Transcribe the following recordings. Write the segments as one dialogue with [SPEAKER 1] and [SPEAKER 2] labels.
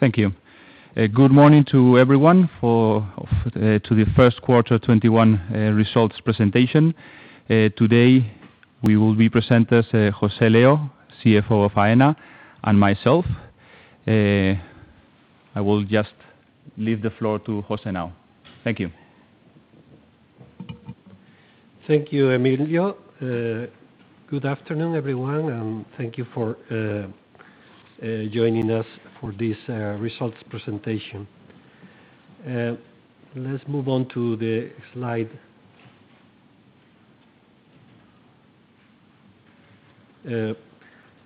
[SPEAKER 1] Thank you. Good morning to everyone, to the first quarter 2021 results presentation. Today will be presenters José Leo, CFO of Aena, and myself. I will just leave the floor to José now. Thank you.
[SPEAKER 2] Thank you, Emilio. Good afternoon, everyone. Thank you for joining us for this results presentation. Let's move on to the slide.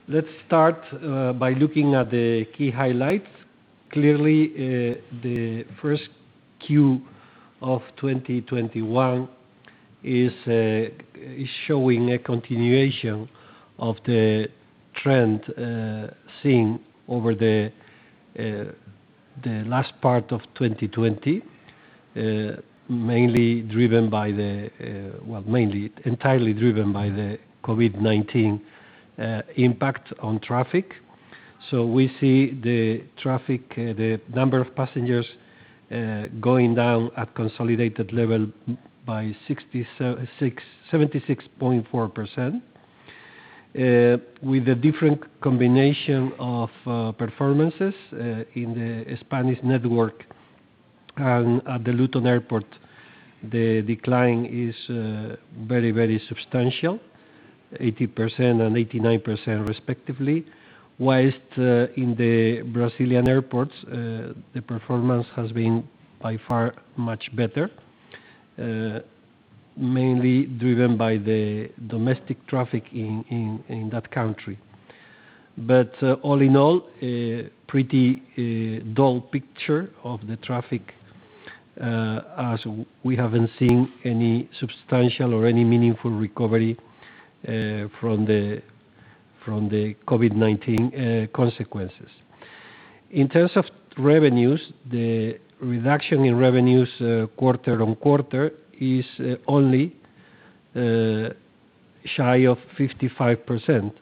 [SPEAKER 2] Let's start by looking at the key highlights. Clearly, Q1 2021 is showing a continuation of the trend seen over the last part of 2020, entirely driven by the COVID-19 impact on traffic. We see the traffic, the number of passengers going down at consolidated level by 76.4%, with a different combination of performances in the Spanish network and at the Luton Airport. The decline is very substantial, 80% and 89% respectively. Whilst in the Brazilian airports, the performance has been by far much better, mainly driven by the domestic traffic in that country. All in all, pretty dull picture of the traffic, as we haven't seen any substantial or any meaningful recovery from the COVID-19 consequences. In terms of revenues, the reduction in revenues quarter-on-quarter is only shy of 55%.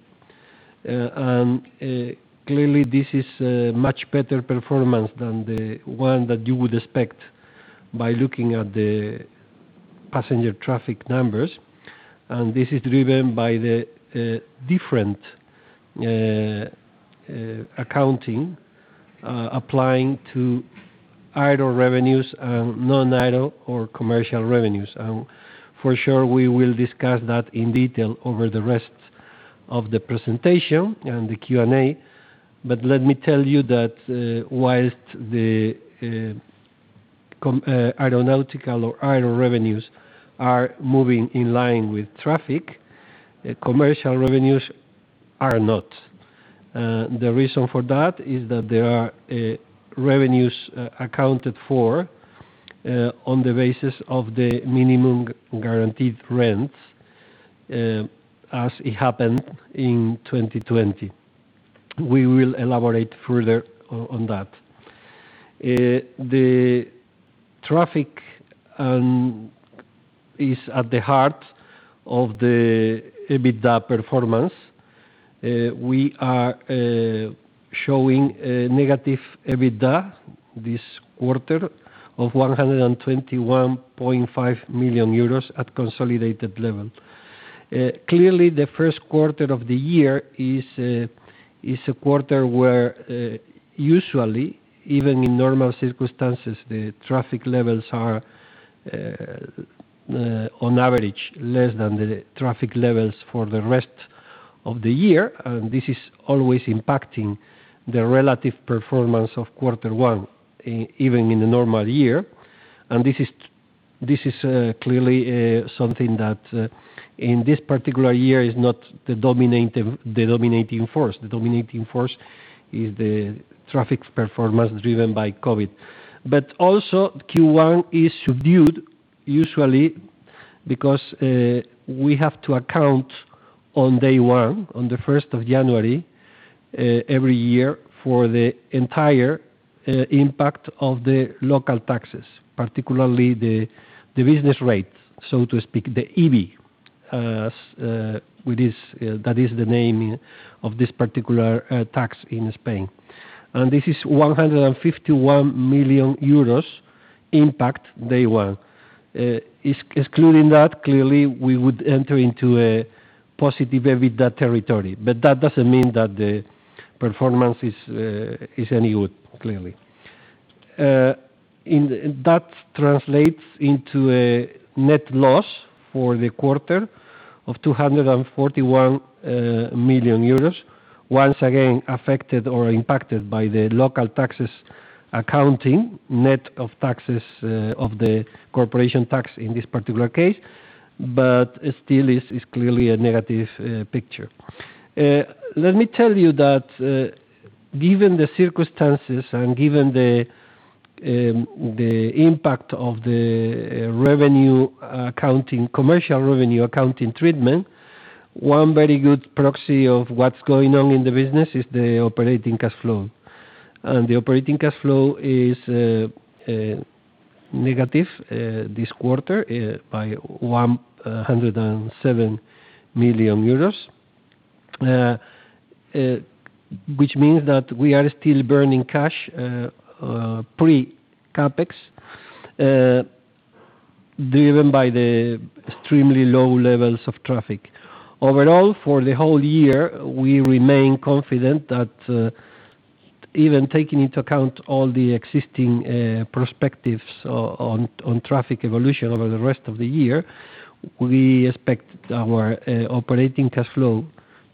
[SPEAKER 2] Clearly, this is a much better performance than the one that you would expect by looking at the passenger traffic numbers. This is driven by the different accounting applying to aero revenues and non-aero or commercial revenues. For sure, we will discuss that in detail over the rest of the presentation and the Q&A. Let me tell you that whilst the aeronautical or aero revenues are moving in line with traffic, commercial revenues are not. The reason for that is that there are revenues accounted for on the basis of the minimum guaranteed rents, as it happened in 2020. We will elaborate further on that. The traffic is at the heart of the EBITDA performance. We are showing a negative EBITDA this quarter of 121.5 million euros at consolidated level. Clearly, the first quarter of the year is a quarter where usually, even in normal circumstances, the traffic levels are on average less than the traffic levels for the rest of the year, and this is always impacting the relative performance of quarter one even in a normal year. This is clearly something that in this particular year is not the dominating force. The dominating force is the traffic performance driven by COVID-19. Also Q1 is subdued usually because we have to account on day one, on the 1st of January every year, for the entire impact of the local taxes, particularly the business rate, so to speak, the IBI. That is the name of this particular tax in Spain. This is 151 million euros impact day one. Excluding that, clearly, we would enter into a positive EBITDA territory, but that doesn't mean that the performance is any good, clearly. That translates into a net loss for the quarter of 241 million euros, once again, affected or impacted by the local taxes accounting net of taxes of the corporation tax in this particular case, but still is clearly a negative picture. Let me tell you that given the circumstances and given the impact of the commercial revenue accounting treatment, one very good proxy of what's going on in the business is the operating cash flow. The operating cash flow is negative this quarter by 107 million euros, which means that we are still burning cash pre-CapEx, driven by the extremely low levels of traffic. Overall, for the whole year, we remain confident that even taking into account all the existing perspectives on traffic evolution over the rest of the year, we expect our operating cash flow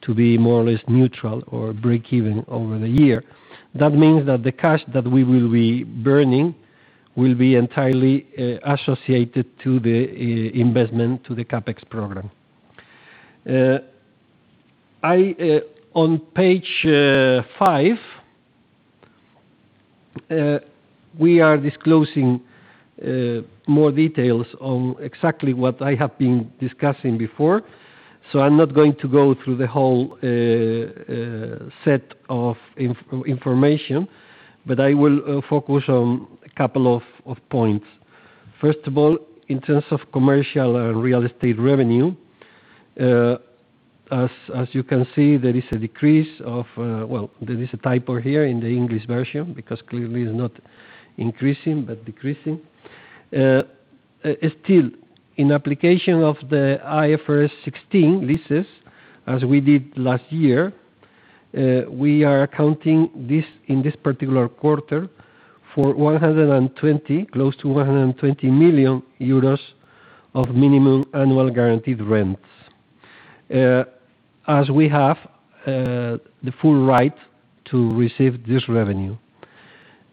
[SPEAKER 2] to be more or less neutral or breakeven over the year. That means that the cash that we will be burning will be entirely associated to the investment to the CapEx program. On page five, we are disclosing more details on exactly what I have been discussing before. I'm not going to go through the whole set of information, but I will focus on a couple of points. First of all, in terms of commercial and real estate revenue, as you can see, there is a decrease of Well, there is a typo here in the English version because clearly it's not increasing, but decreasing. In application of the IFRS 16 leases, as we did last year, we are accounting in this particular quarter for close to 120 million euros of minimum annual guaranteed rents, as we have the full right to receive this revenue.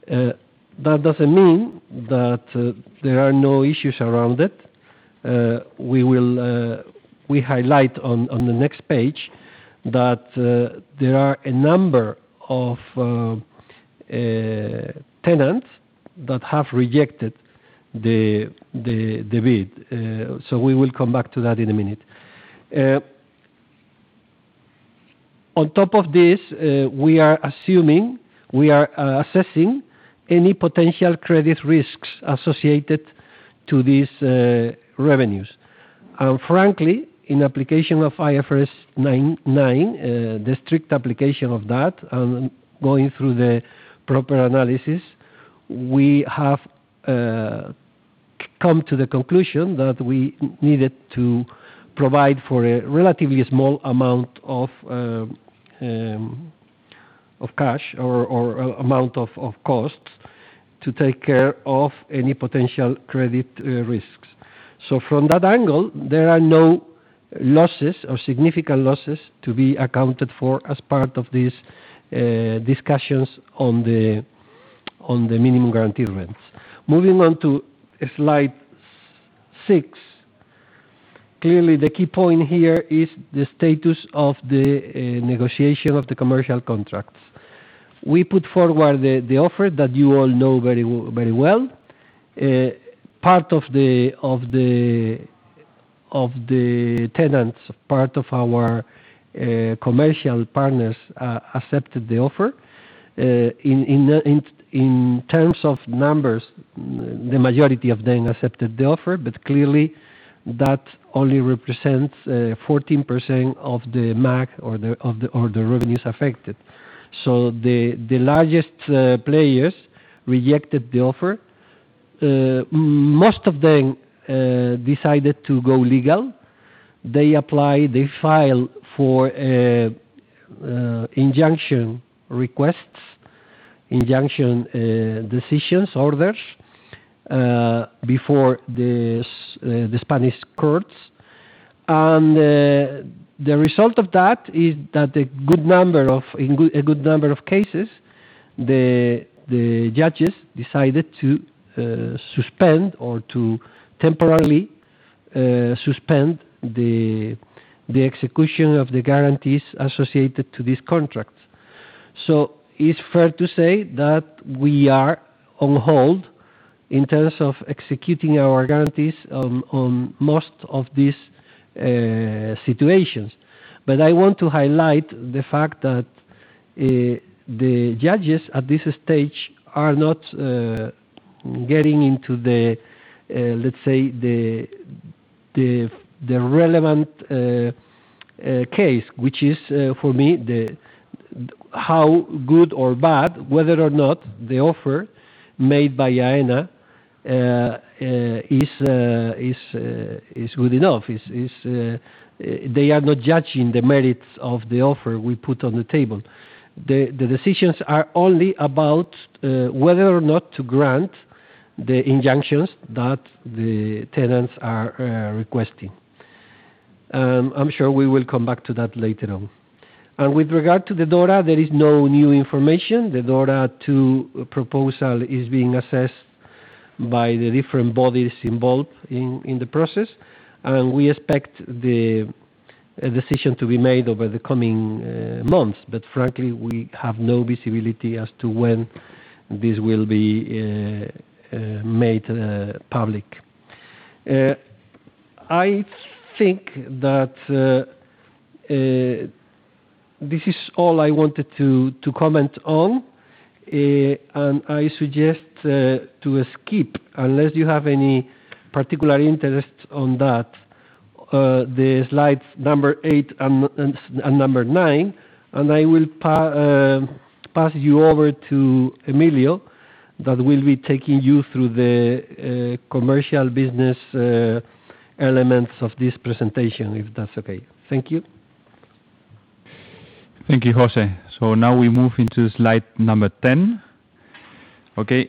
[SPEAKER 2] That doesn't mean that there are no issues around it. We highlight on the next page that there are a number of tenants that have rejected the bid. We will come back to that in a minute. On top of this, we are assessing any potential credit risks associated to these revenues. Frankly, in application of IFRS 9, the strict application of that, and going through the proper analysis, we have come to the conclusion that we needed to provide for a relatively small amount of cash or amount of costs to take care of any potential credit risks. From that angle, there are no losses or significant losses to be accounted for as part of these discussions on the minimum guarantee rents. Moving on to slide six. Clearly, the key point here is the status of the negotiation of the commercial contracts. We put forward the offer that you all know very well. Part of the tenants, part of our commercial partners accepted the offer. In terms of numbers, the majority of them accepted the offer, but clearly that only represents 14% of the MAG or the revenues affected. The largest players rejected the offer. Most of them decided to go legal. They filed for injunction requests, injunction decisions, orders before the Spanish courts. The result of that is that a good number of cases, the judges decided to suspend or to temporarily suspend the execution of the guarantees associated to these contracts. It's fair to say that we are on hold in terms of executing our guarantees on most of these situations. I want to highlight the fact that the judges at this stage are not getting into the, let's say, the relevant case, which is for me how good or bad, whether or not the offer made by Aena is good enough. They are not judging the merits of the offer we put on the table. The decisions are only about whether or not to grant the injunctions that the tenants are requesting. I'm sure we will come back to that later on. With regard to the DORA, there is no new information. The DORA II proposal is being assessed by the different bodies involved in the process, and we expect the decision to be made over the coming months. Frankly, we have no visibility as to when this will be made public. I think that this is all I wanted to comment on. I suggest to skip, unless you have any particular interests on that, the slides number eight and number nine, and I will pass you over to Emilio, that will be taking you through the commercial business elements of this presentation, if that's okay. Thank you.
[SPEAKER 1] Thank you, José. Now we move into slide number 10,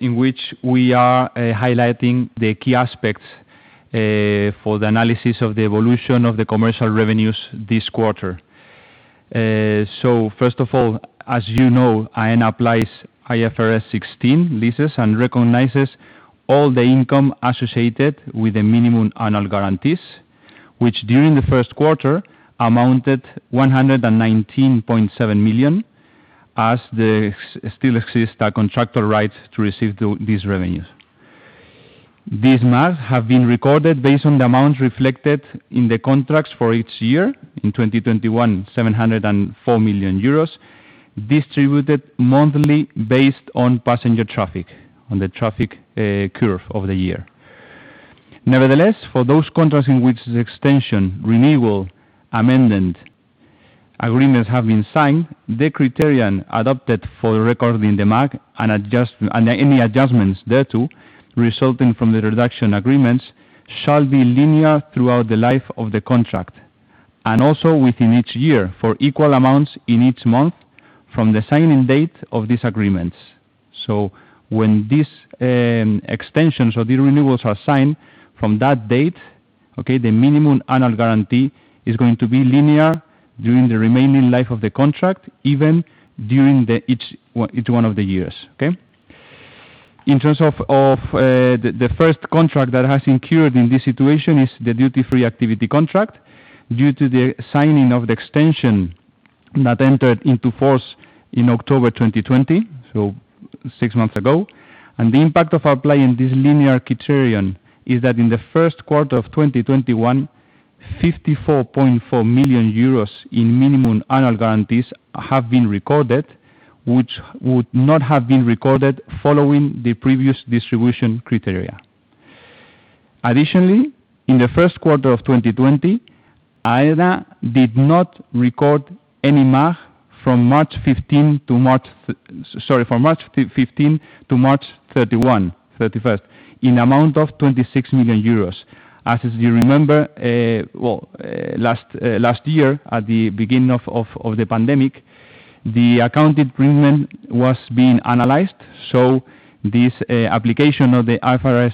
[SPEAKER 1] in which we are highlighting the key aspects for the analysis of the evolution of the commercial revenues this quarter. First of all, as you know, Aena applies IFRS 16 leases and recognizes all the income associated with the minimum annual guarantees, which during the first quarter amounted 119.7 million, as there still exists a contractor right to receive these revenues. These MAG have been recorded based on the amount reflected in the contracts for each year. In 2021, 704 million euros distributed monthly based on passenger traffic, on the traffic curve of the year. Nevertheless, for those contracts in which the extension, renewal, amendment agreements have been signed, the criterion adopted for recording the MAG and any adjustments thereto resulting from the reduction agreements shall be linear throughout the life of the contract, and also within each year, for equal amounts in each month from the signing date of these agreements. When these extensions or the renewals are signed, from that date, the minimum annual guarantee is going to be linear during the remaining life of the contract, even during each one of the years. Okay? In terms of the first contract that has incurred in this situation is the duty-free activity contract due to the signing of the extension that entered into force in October 2020, so six months ago. The impact of applying this linear criterion is that in the first quarter of 2021, 54.4 million euros in minimum annual guarantees have been recorded, which would not have been recorded following the previous distribution criteria. Additionally, in the first quarter of 2020, Aena did not record any MAG from March 15 to March 31, in amount of 26 million euros. As you remember, last year at the beginning of the pandemic, the accounted premium was being analyzed. This application of the IFRS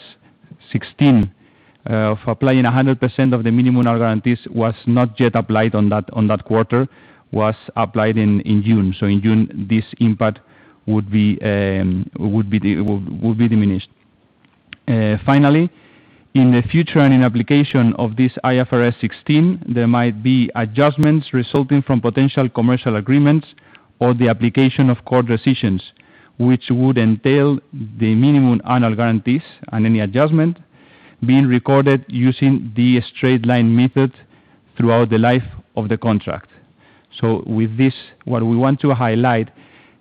[SPEAKER 1] 16 of applying 100% of the minimum annual guarantees was not yet applied on that quarter, was applied in June. In June, this impact would be diminished. Finally, in the future and in application of this IFRS 16, there might be adjustments resulting from potential commercial agreements or the application of court decisions, which would entail the minimum annual guarantees and any adjustment being recorded using the straight-line method throughout the life of the contract. With this, what we want to highlight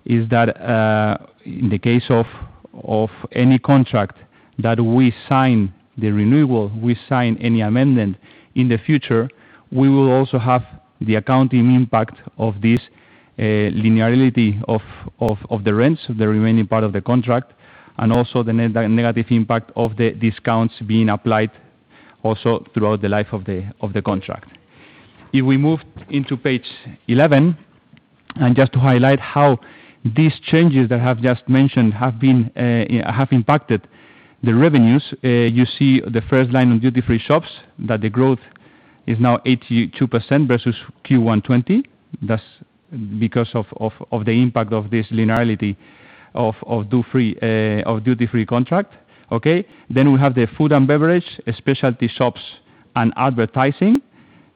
[SPEAKER 1] is that, in the case of any contract that we sign the renewal, we sign any amendment in the future, we will also have the accounting impact of this linearity of the rents, the remaining part of the contract, and also the negative impact of the discounts being applied also throughout the life of the contract. If we move into page 11, just to highlight how these changes that I have just mentioned have impacted the revenues. You see the first line on duty-free shops, that the growth is now 82% versus Q1 2020. That's because of the impact of this linearity of duty-free contract. Okay? We have the food and beverage, specialty shops, and advertising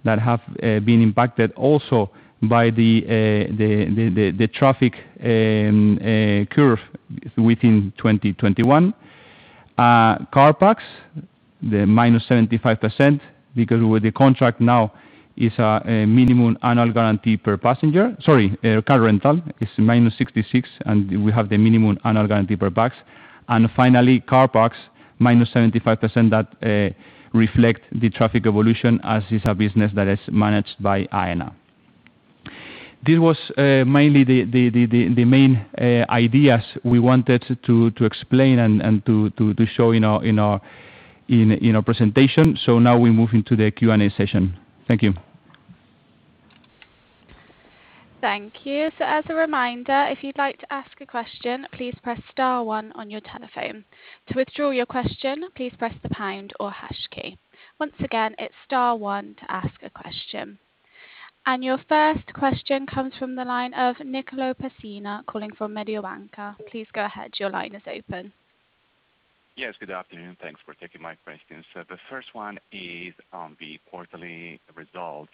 [SPEAKER 1] that have been impacted also by the traffic curve within 2021. Car parks, the -75%, because with the contract now is a Minimum Annual Guaranteed Rent per passenger. Sorry, car rental is -66%, and we have the Minimum Annual Guaranteed Rent per parks. Finally, car parks -75% that reflect the traffic evolution as is a business that is managed by Aena. This was mainly the main ideas we wanted to explain and to show in our presentation. Now we move into the Q&A session. Thank you.
[SPEAKER 3] Thank you. As a reminder, if you'd like to ask a question, please press star one on your telephone. To withdraw your question, please press the pound or hash key. Once again, it's star one to ask a question. Your first question comes from the line of Nicolo Pessina calling from Mediobanca. Please go ahead. Your line is open.
[SPEAKER 4] Yes. Good afternoon. Thanks for taking my questions. The first one is on the quarterly results.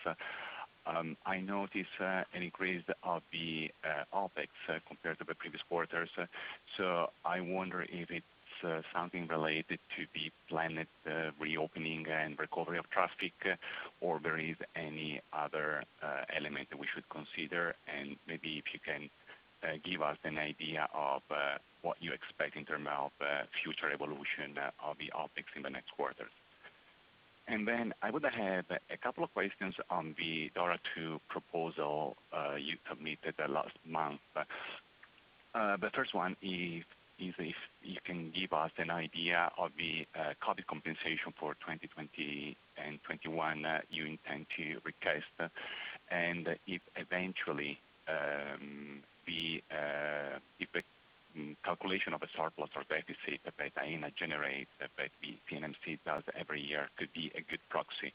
[SPEAKER 4] I notice an increase of the OpEx compared to the previous quarters. I wonder if it's something related to the planned reopening and recovery of traffic, or there is any other element that we should consider, and maybe if you can give us an idea of what you expect in terms of future evolution of the OpEx in the next quarter. I would have a couple of questions on the DORA II proposal you submitted last month. The first one is if you can give us an idea of the COVID compensation for 2020 and 2021 that you intend to request, and if eventually, if the calculation of a surplus or deficit that Aena generates, that the CNMC does every year could be a good proxy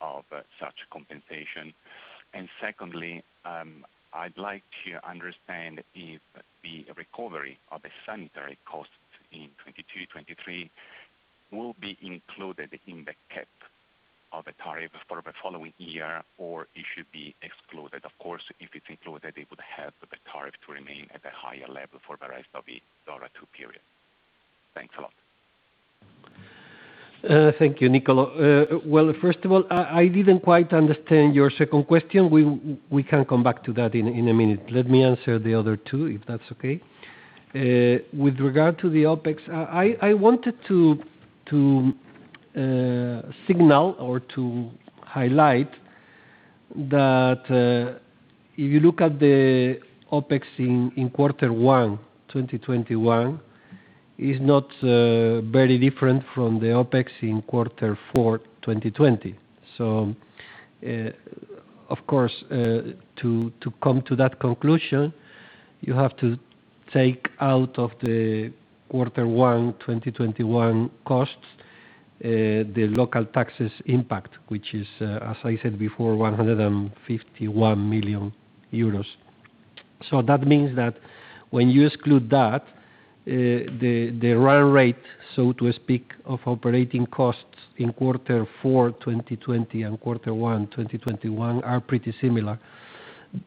[SPEAKER 4] of such compensation. Secondly, I'd like to understand if the recovery of the sanitary costs in 2022, 2023 will be included in the cap of a tariff for the following year, or it should be excluded. Of course, if it's included, it would help the tariff to remain at a higher level for the rest of the DORA II period. Thanks a lot.
[SPEAKER 2] Thank you, Nicolo. Well, first of all, I didn't quite understand your second question. We can come back to that in a minute. Let me answer the other two, if that's okay. With regard to the OpEx, I wanted to signal or to highlight that if you look at the OpEx in quarter one 2021, it's not very different from the OpEx in quarter four 2020. Of course, to come to that conclusion, you have to take out of the quarter one 2021 costs the local taxes impact, which is, as I said before, 151 million euros. That means that when you exclude that, the run rate, so to speak, of operating costs in quarter four 2020 and quarter one 2021 are pretty similar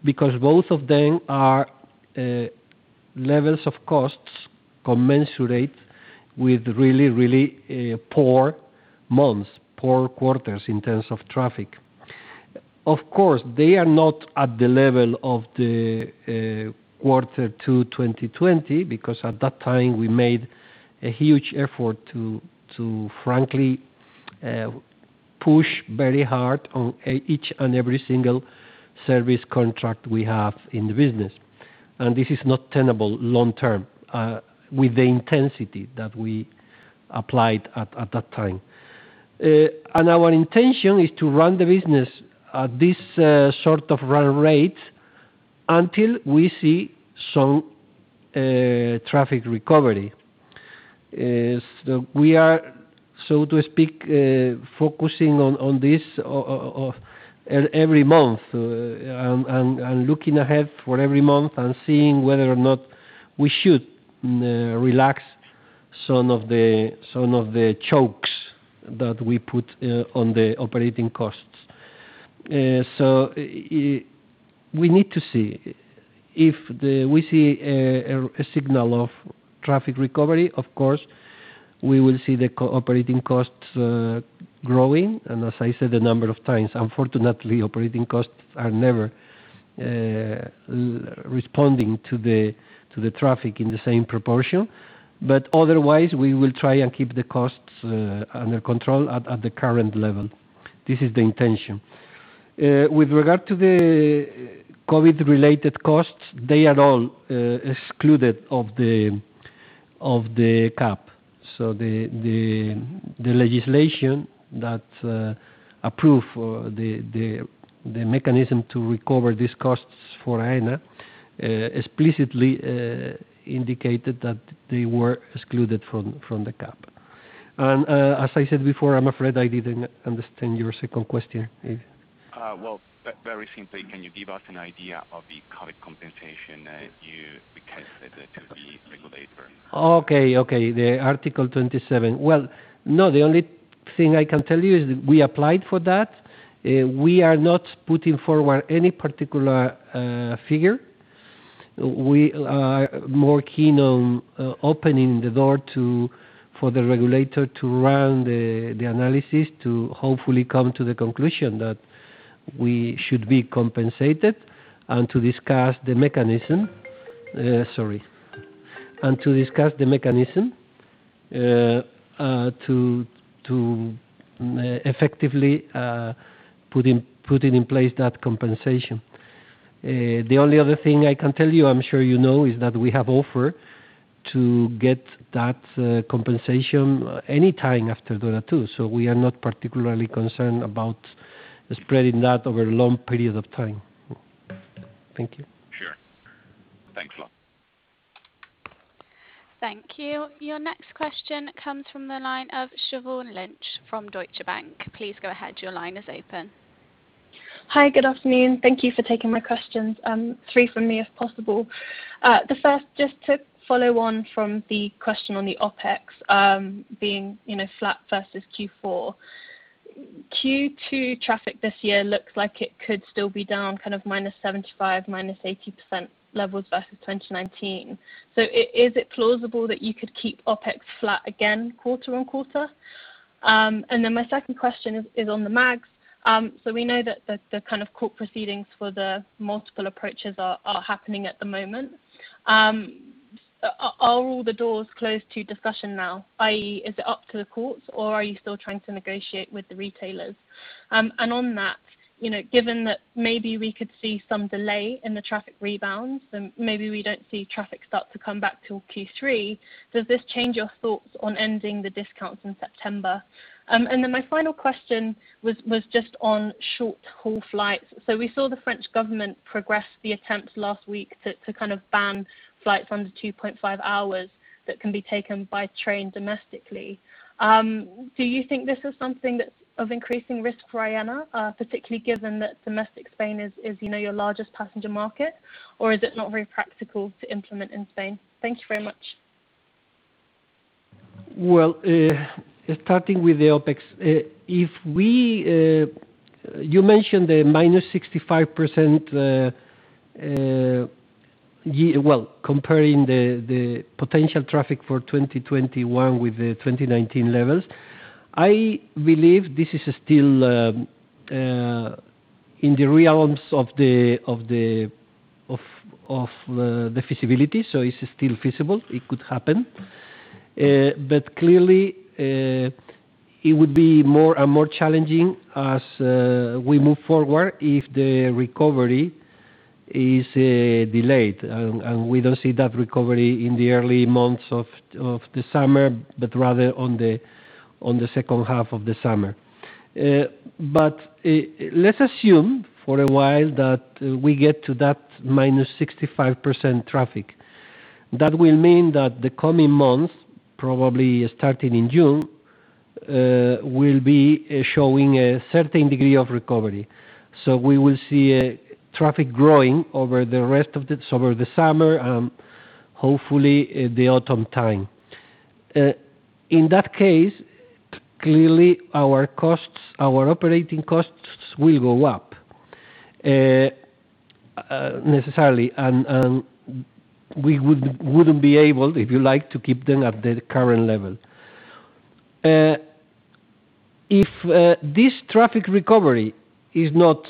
[SPEAKER 2] because both of them are levels of costs commensurate with really poor months, poor quarters in terms of traffic. Of course, they are not at the level of the quarter two 2020 because at that time we made a huge effort to frankly push very hard on each and every single service contract we have in the business, and this is not tenable long term with the intensity that we applied at that time. Our intention is to run the business at this sort of run rate until we see some traffic recovery. We are, so to speak, focusing on this every month, and looking ahead for every month and seeing whether or not we should relax some of the chokes that we put on the operating costs. We need to see. If we see a signal of traffic recovery, of course, we will see the operating costs growing, and as I said a number of times, unfortunately, operating costs are never responding to the traffic in the same proportion. Otherwise, we will try and keep the costs under control at the current level. This is the intention. With regard to the COVID-related costs, they are all excluded of the cap. The legislation that approved the mechanism to recover these costs for Aena explicitly indicated that they were excluded from the cap. As I said before, I'm afraid I didn't understand your second question.
[SPEAKER 4] Well, very simply, can you give us an idea of the COVID compensation you requested to the regulator?
[SPEAKER 2] Okay. The Article 27. Well, no, the only thing I can tell you is we applied for that. We are not putting forward any particular figure. We are more keen on opening the door for the regulator to run the analysis to hopefully come to the conclusion that we should be compensated and to discuss the mechanism. Sorry. To discuss the mechanism to effectively put in place that compensation. The only other thing I can tell you, I'm sure you know, is that we have offered to get that compensation any time after DORA II, we are not particularly concerned about spreading that over a long period of time. Thank you.
[SPEAKER 4] Sure. Thanks a lot.
[SPEAKER 3] Thank you. Your next question comes from the line of Siobhan Lynch from Deutsche Bank.
[SPEAKER 5] Hi. Good afternoon. Thank you for taking my questions. Three from me, if possible. The first, just to follow on from the question on the OpEx being flat versus Q4. Q2 traffic this year looks like it could still be down -75%, -80% levels versus 2019. Is it plausible that you could keep OpEx flat again quarter-on-quarter? My second question is on the MAGs. We know that the kind of court proceedings for the multiple approaches are happening at the moment. Are all the doors closed to discussion now, i.e., is it up to the courts or are you still trying to negotiate with the retailers? On that, given that maybe we could see some delay in the traffic rebounds and maybe we don't see traffic start to come back till Q3, does this change your thoughts on ending the discounts in September? My final question was just on short-haul flights. We saw the French government progress the attempts last week to kind of ban flights under 2.5 hours that can be taken by train domestically. Do you think this is something that's of increasing risk for Aena, particularly given that domestic Spain is your largest passenger market? Or is it not very practical to implement in Spain? Thank you very much.
[SPEAKER 2] Starting with the OpEx. You mentioned the -65%, well, comparing the potential traffic for 2021 with the 2019 levels. I believe this is still in the realms of the feasibility. It's still feasible. It could happen. Clearly, it would be more and more challenging as we move forward if the recovery is delayed, and we don't see that recovery in the early months of the summer, but rather on the second half of the summer. Let's assume for a while that we get to that -65% traffic. That will mean that the coming months, probably starting in June, will be showing a certain degree of recovery. We will see traffic growing over the rest of the summer, and hopefully the autumn time. In that case, clearly our operating costs will go up necessarily, and we wouldn't be able, if you like, to keep them at the current level. If this traffic recovery is not,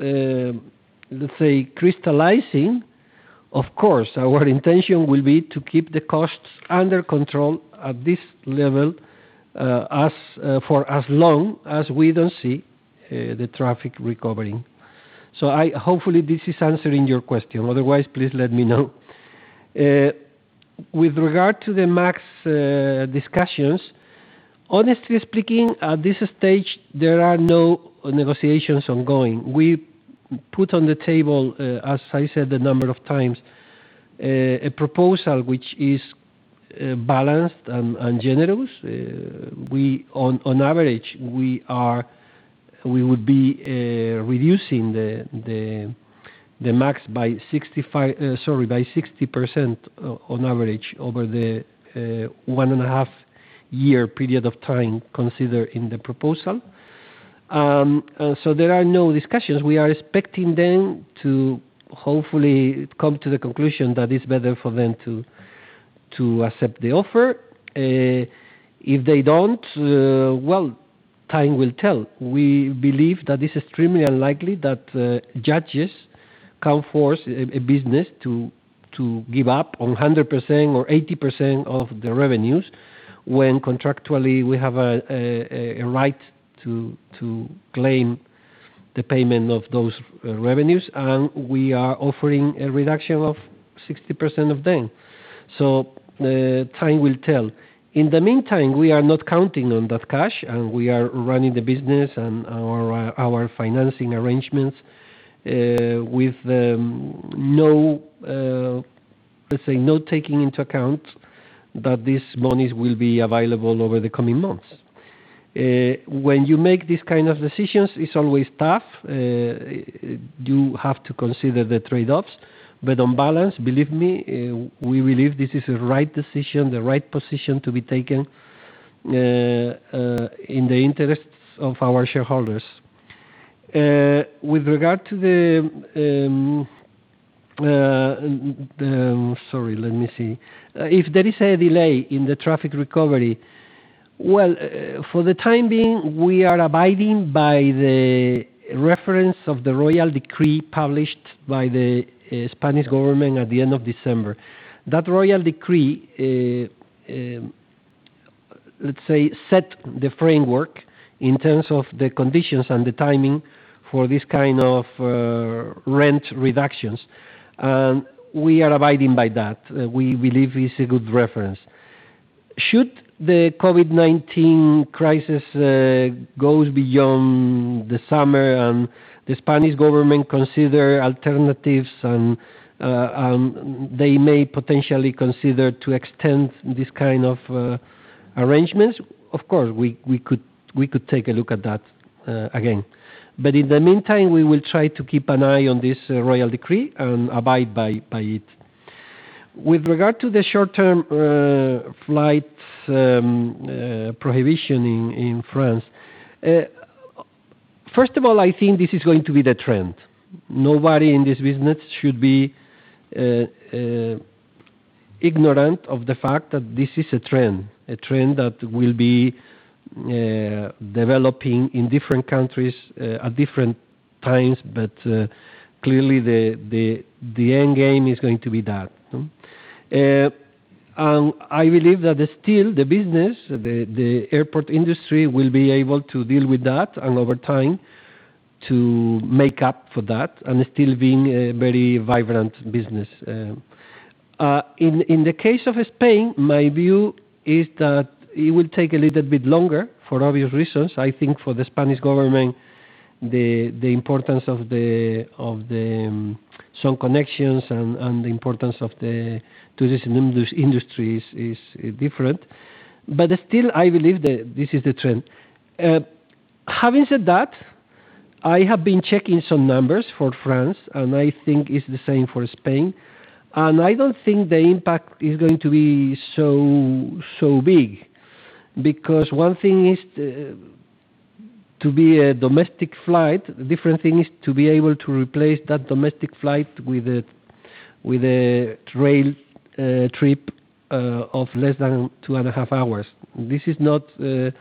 [SPEAKER 2] let's say, crystallizing, of course, our intention will be to keep the costs under control at this level for as long as we don't see the traffic recovering. Hopefully this is answering your question. Otherwise, please let me know. With regard to the MAG discussions, honestly speaking, at this stage, there are no negotiations ongoing. We put on the table, as I said a number of times, a proposal which is balanced and generous. On average, we would be reducing the MAG by 60% on average over the 1.5-year period of time considered in the proposal. There are no discussions. We are expecting them to hopefully come to the conclusion that it's better for them to accept the offer. If they don't, well, time will tell. We believe that it's extremely unlikely that judges can force a business to give up on 100% or 80% of the revenues when contractually we have a right to claim the payment of those revenues, and we are offering a reduction of 60% of them. Time will tell. In the meantime, we are not counting on that cash, and we are running the business and our financing arrangements with, let's say, not taking into account that these monies will be available over the coming months. When you make these kind of decisions, it's always tough. You have to consider the trade-offs. On balance, believe me, we believe this is the right decision, the right position to be taken in the interests of our shareholders. Sorry, let me see. If there is a delay in the traffic recovery, well, for the time being, we are abiding by the reference of the royal decree published by the Spanish government at the end of December. That royal decree, let's say, set the framework in terms of the conditions and the timing for this kind of rent reductions. We are abiding by that. We believe it's a good reference. Should the COVID-19 crisis goes beyond the summer and the Spanish government consider alternatives, and they may potentially consider to extend this kind of arrangements, of course, we could take a look at that again. In the meantime, we will try to keep an eye on this royal decree and abide by it. With regard to the short-term flights prohibition in France, first of all, I think this is going to be the trend. Nobody in this business should be ignorant of the fact that this is a trend, a trend that will be developing in different countries at different times. Clearly the end game is going to be that. I believe that still the business, the airport industry, will be able to deal with that and over time to make up for that and still being a very vibrant business. In the case of Spain, my view is that it will take a little bit longer for obvious reasons. I think for the Spanish government, the importance of some connections and the importance of the tourism industry is different. Still, I believe that this is the trend. Having said that, I have been checking some numbers for France, and I think it's the same for Spain, and I don't think the impact is going to be so big because one thing is to be a domestic flight, a different thing is to be able to replace that domestic flight with a rail trip of less than 2.5 hours. This is not a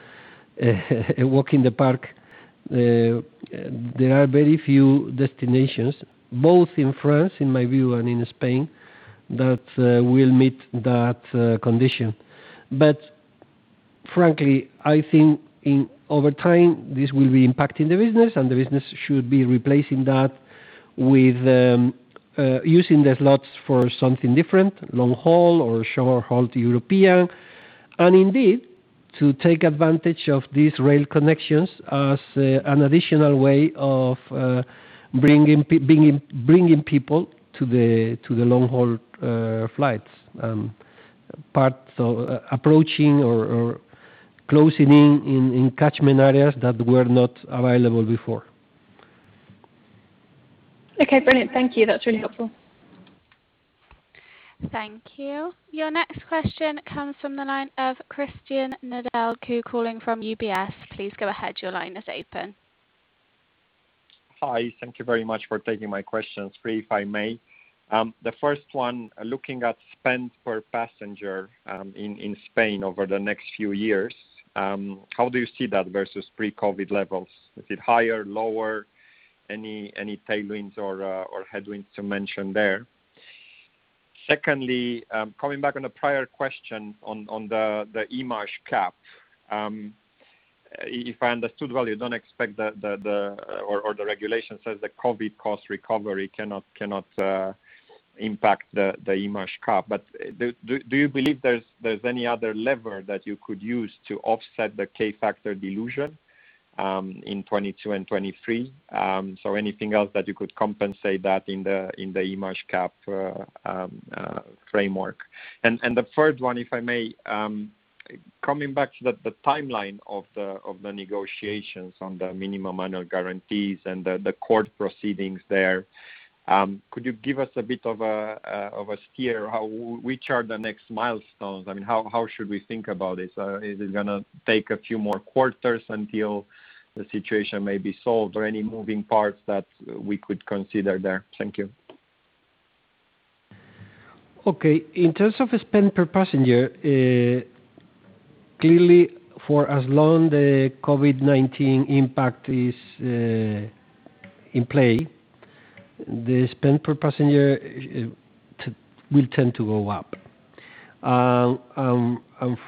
[SPEAKER 2] walk in the park. There are very few destinations, both in France, in my view, and in Spain, that will meet that condition. Frankly, I think over time, this will be impacting the business, and the business should be replacing that with using the slots for something different, long-haul or short-haul to European, and indeed to take advantage of these rail connections as an additional way of bringing people to the long-haul flights. Part approaching or closing in catchment areas that were not available before.
[SPEAKER 5] Okay, brilliant. Thank you. That's really helpful.
[SPEAKER 3] Thank you. Your next question comes from the line of Cristian Nedelcu calling from UBS. Please go ahead. Your line is open.
[SPEAKER 6] Hi. Thank you very much for taking my questions. Three, if I may. The first one, looking at spend per passenger in Spain over the next few years, how do you see that versus pre-COVID levels? Is it higher, lower? Any tailwinds or headwinds to mention there? Secondly, coming back on a prior question on the IMAAJ cap. If I understood well, the regulation says that COVID cost recovery cannot impact the IMAAJ cap. Do you believe there's any other lever that you could use to offset the K-factor dilution in 2022 and 2023? Anything else that you could compensate that in the IMAAJ cap framework. The third one, if I may, coming back to the timeline of the negotiations on the minimum annual guarantees and the court proceedings there, could you give us a bit of a steer how, which are the next milestones? I mean, how should we think about this? Is it going to take a few more quarters until the situation may be solved, or any moving parts that we could consider there? Thank you.
[SPEAKER 2] Okay. In terms of spend per passenger, clearly for as long the COVID-19 impact is in play, the spend per passenger will tend to go up.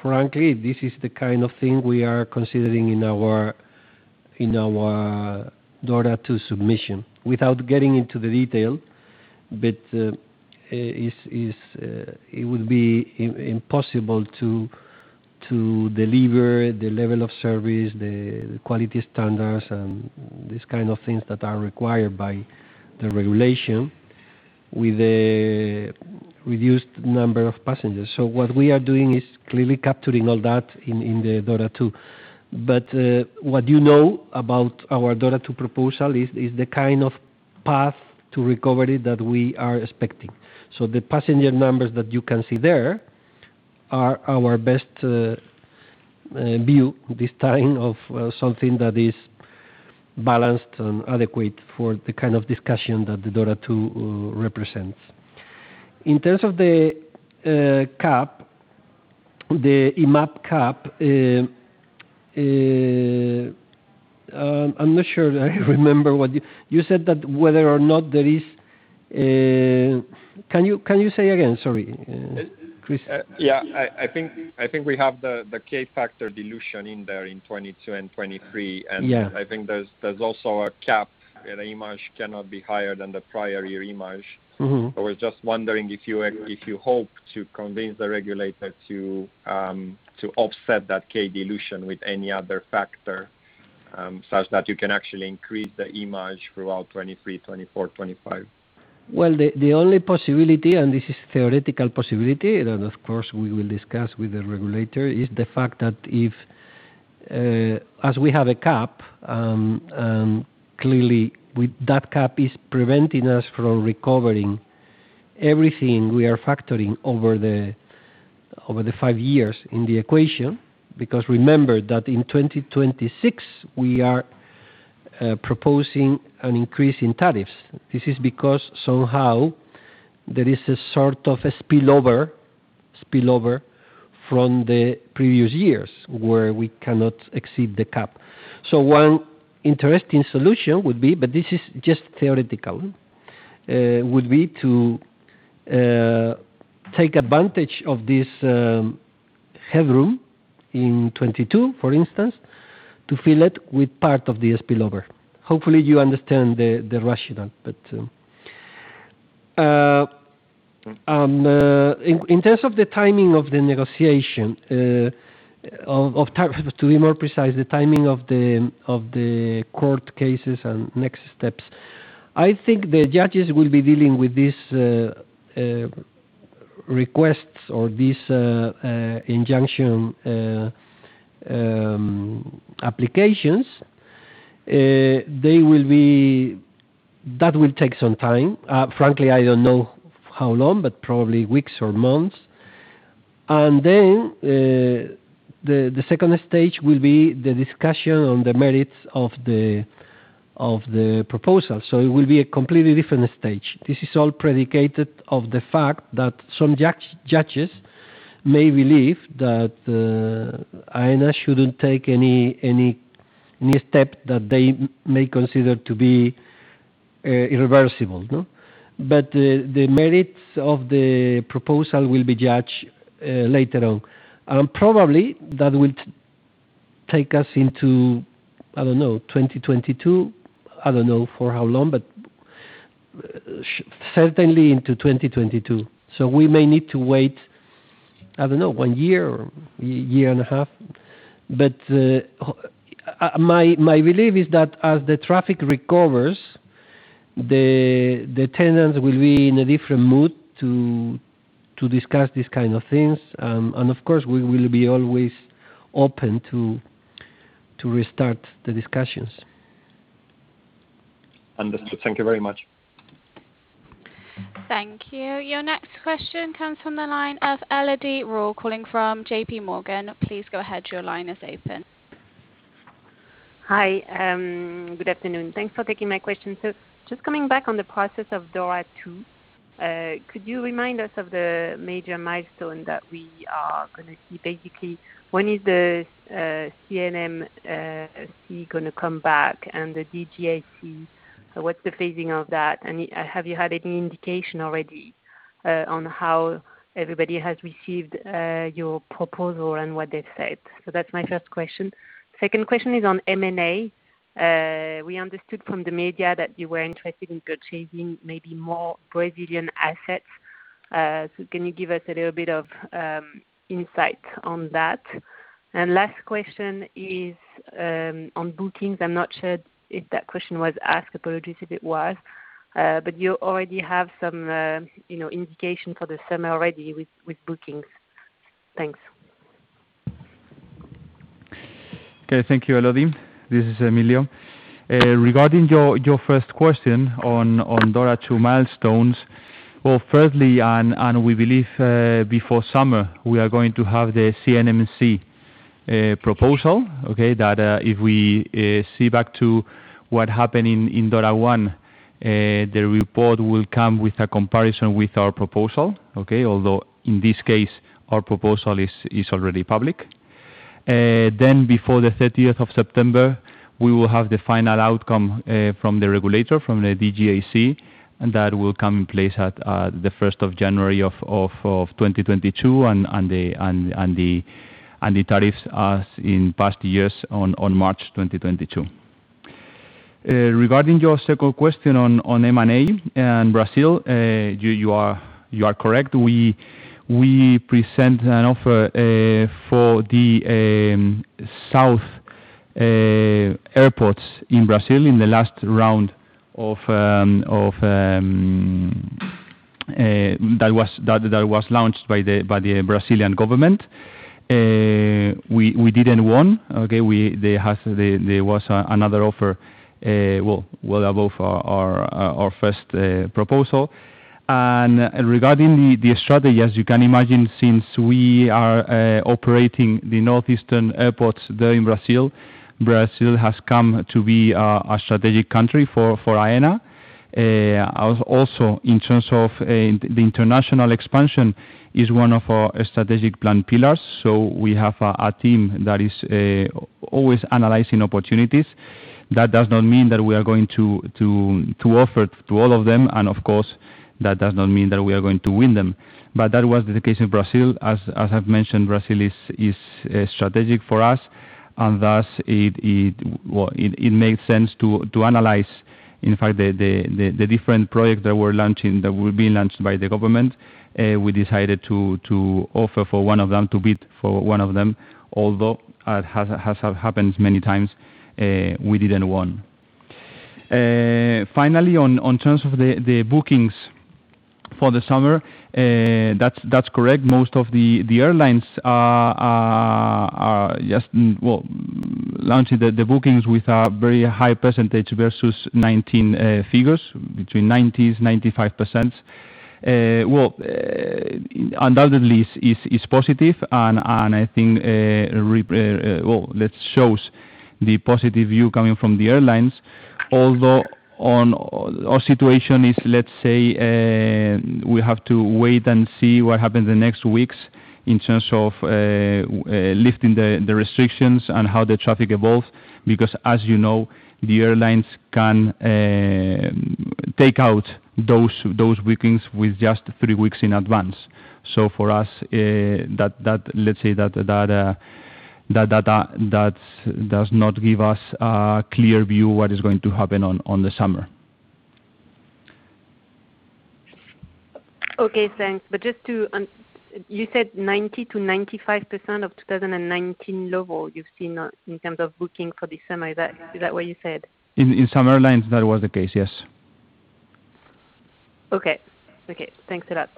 [SPEAKER 2] Frankly, this is the kind of thing we are considering in our DORA II submission, without getting into the detail. It would be impossible to deliver the level of service, the quality standards, and these kind of things that are required by the regulation with a reduced number of passengers. What we are doing is clearly capturing all that in the DORA II. What you know about our DORA II proposal is the kind of path to recovery that we are expecting. The passenger numbers that you can see there are our best view this time of something that is balanced and adequate for the kind of discussion that the DORA II represents. In terms of the IMAAJ cap, I'm not sure that I remember what you said that whether or not there is a, can you say again? Sorry, Cristian.
[SPEAKER 6] Yeah. I think we have the K-factor dilution in there in 2022 and 2023.
[SPEAKER 2] Yeah.
[SPEAKER 6] I think there's also a cap, IMAAJ cannot be higher than the prior year IMAAJ. I was just wondering if you hope to convince the regulator to offset that K dilution with any other factor, such that you can actually increase the IMAAJ throughout 2023, 2024, 2025.
[SPEAKER 2] Well, the only possibility, and this is theoretical possibility that, of course, we will discuss with the regulator, is the fact that if, as we have a cap, and clearly that cap is preventing us from recovering everything we are factoring over the five years in the equation. Remember that in 2026, we are proposing an increase in tariffs. This is because somehow there is a sort of a spillover from the previous years where we cannot exceed the cap. One interesting solution would be, but this is just theoretical, would be to take advantage of this headroom in 2022, for instance, to fill it with part of the spillover. Hopefully, you understand the rationale. In terms of the timing of the negotiation of tariffs, to be more precise, the timing of the court cases and next steps, I think the judges will be dealing with these requests or these injunction applications. That will take some time. Frankly, I don't know how long, but probably weeks or months. The Stage 2 will be the discussion on the merits of the proposal. It will be a completely different stage. This is all predicated on the fact that some judges may believe that Aena shouldn't take any new step that they may consider to be irreversible. The merits of the proposal will be judged later on. Probably that will take us into, I don't know, 2022. I don't know for how long, but certainly into 2022. We may need to wait, I don't know, one year or year and a half. My belief is that as the traffic recovers, the tenants will be in a different mood to discuss these kinds of things. Of course, we will be always open to restart the discussions.
[SPEAKER 6] Understood. Thank you very much.
[SPEAKER 3] Thank you. Your next question comes from the line of Elodie Rall calling from JPMorgan. Please go ahead. Your line is open.
[SPEAKER 7] Hi. Good afternoon. Thanks for taking my question. Just coming back on the process of DORA II, could you remind us of the major milestone that we are going to see? Basically, when is the CNMC going to come back, and the DGAC, what's the phasing of that? Have you had any indication already on how everybody has received your proposal and what they've said? That's my first question. Second question is on M&A. We understood from the media that you were interested in purchasing maybe more Brazilian assets. Can you give us a little bit of insight on that? Last question is on bookings. I'm not sure if that question was asked, apologies if it was, but you already have some indication for the summer already with bookings. Thanks.
[SPEAKER 1] Okay. Thank you, Elodie. This is Emilio. Regarding your first question on DORA II milestones, firstly, and we believe before summer, we are going to have the CNMC proposal, okay. That if we see back to what happened in DORA I, the report will come with a comparison with our proposal, okay. Before the 30th of September, we will have the final outcome from the regulator, from the DGAC, and that will come in place at the 1st of January of 2022, and the tariffs as in past years on March 2022. Regarding your second question on M&A and Brazil, you are correct. We present an offer for the south airports in Brazil in the last round that was launched by the Brazilian government. We didn't win, okay. There was another offer well above our first proposal. Regarding the strategy, as you can imagine, since we are operating the northeastern airports there in Brazil has come to be a strategic country for Aena. Also, in terms of the international expansion is one of our strategic plan pillars. We have a team that is always analyzing opportunities. That does not mean that we are going to offer to all of them, and of course, that does not mean that we are going to win them. That was the case in Brazil. As I've mentioned, Brazil is strategic for us, and thus it makes sense to analyze, in fact, the different projects that were being launched by the government. We decided to offer for one of them, to bid for one of them, although, as has happened many times, we didn't win. Finally, in terms of the bookings for the summer, that's correct. Most of the airlines are just launching the bookings with a very high percentage versus 2019 figures, between 90%-95%. I think that shows the positive view coming from the airlines, although our situation is, let's say, we have to wait and see what happens in the next weeks in terms of lifting the restrictions and how the traffic evolves. As you know, the airlines can take out those bookings with just three weeks in advance. For us, let's say that does not give us a clear view what is going to happen in the summer.
[SPEAKER 7] Okay, thanks. You said 90%-95% of 2019 level you've seen in terms of booking for this summer. Is that what you said?
[SPEAKER 1] In some airlines that was the case, yes.
[SPEAKER 7] Okay. Thanks a lot.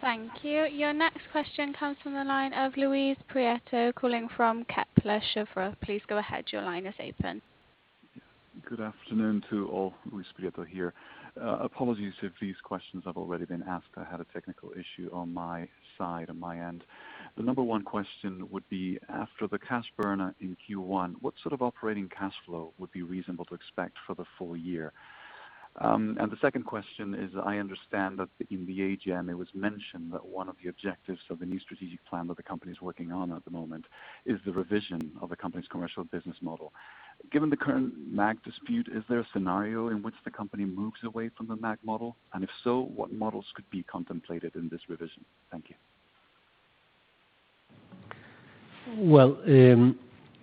[SPEAKER 3] Thank you. Your next question comes from the line of Luis Prieto calling from Kepler Cheuvreux. Please go ahead. Your line is open.
[SPEAKER 8] Good afternoon to all. Luis Prieto here. Apologies if these questions have already been asked. I had a technical issue on my side, on my end. The number one question would be, after the cash burn in Q1, what sort of operating cash flow would be reasonable to expect for the full year? The second question is, I understand that in the AGM it was mentioned that one of the objectives of the new strategic plan that the company is working on at the moment is the revision of the company's commercial business model. Given the current MAG dispute, is there a scenario in which the company moves away from the MAG model? If so, what models could be contemplated in this revision? Thank you.
[SPEAKER 2] Well,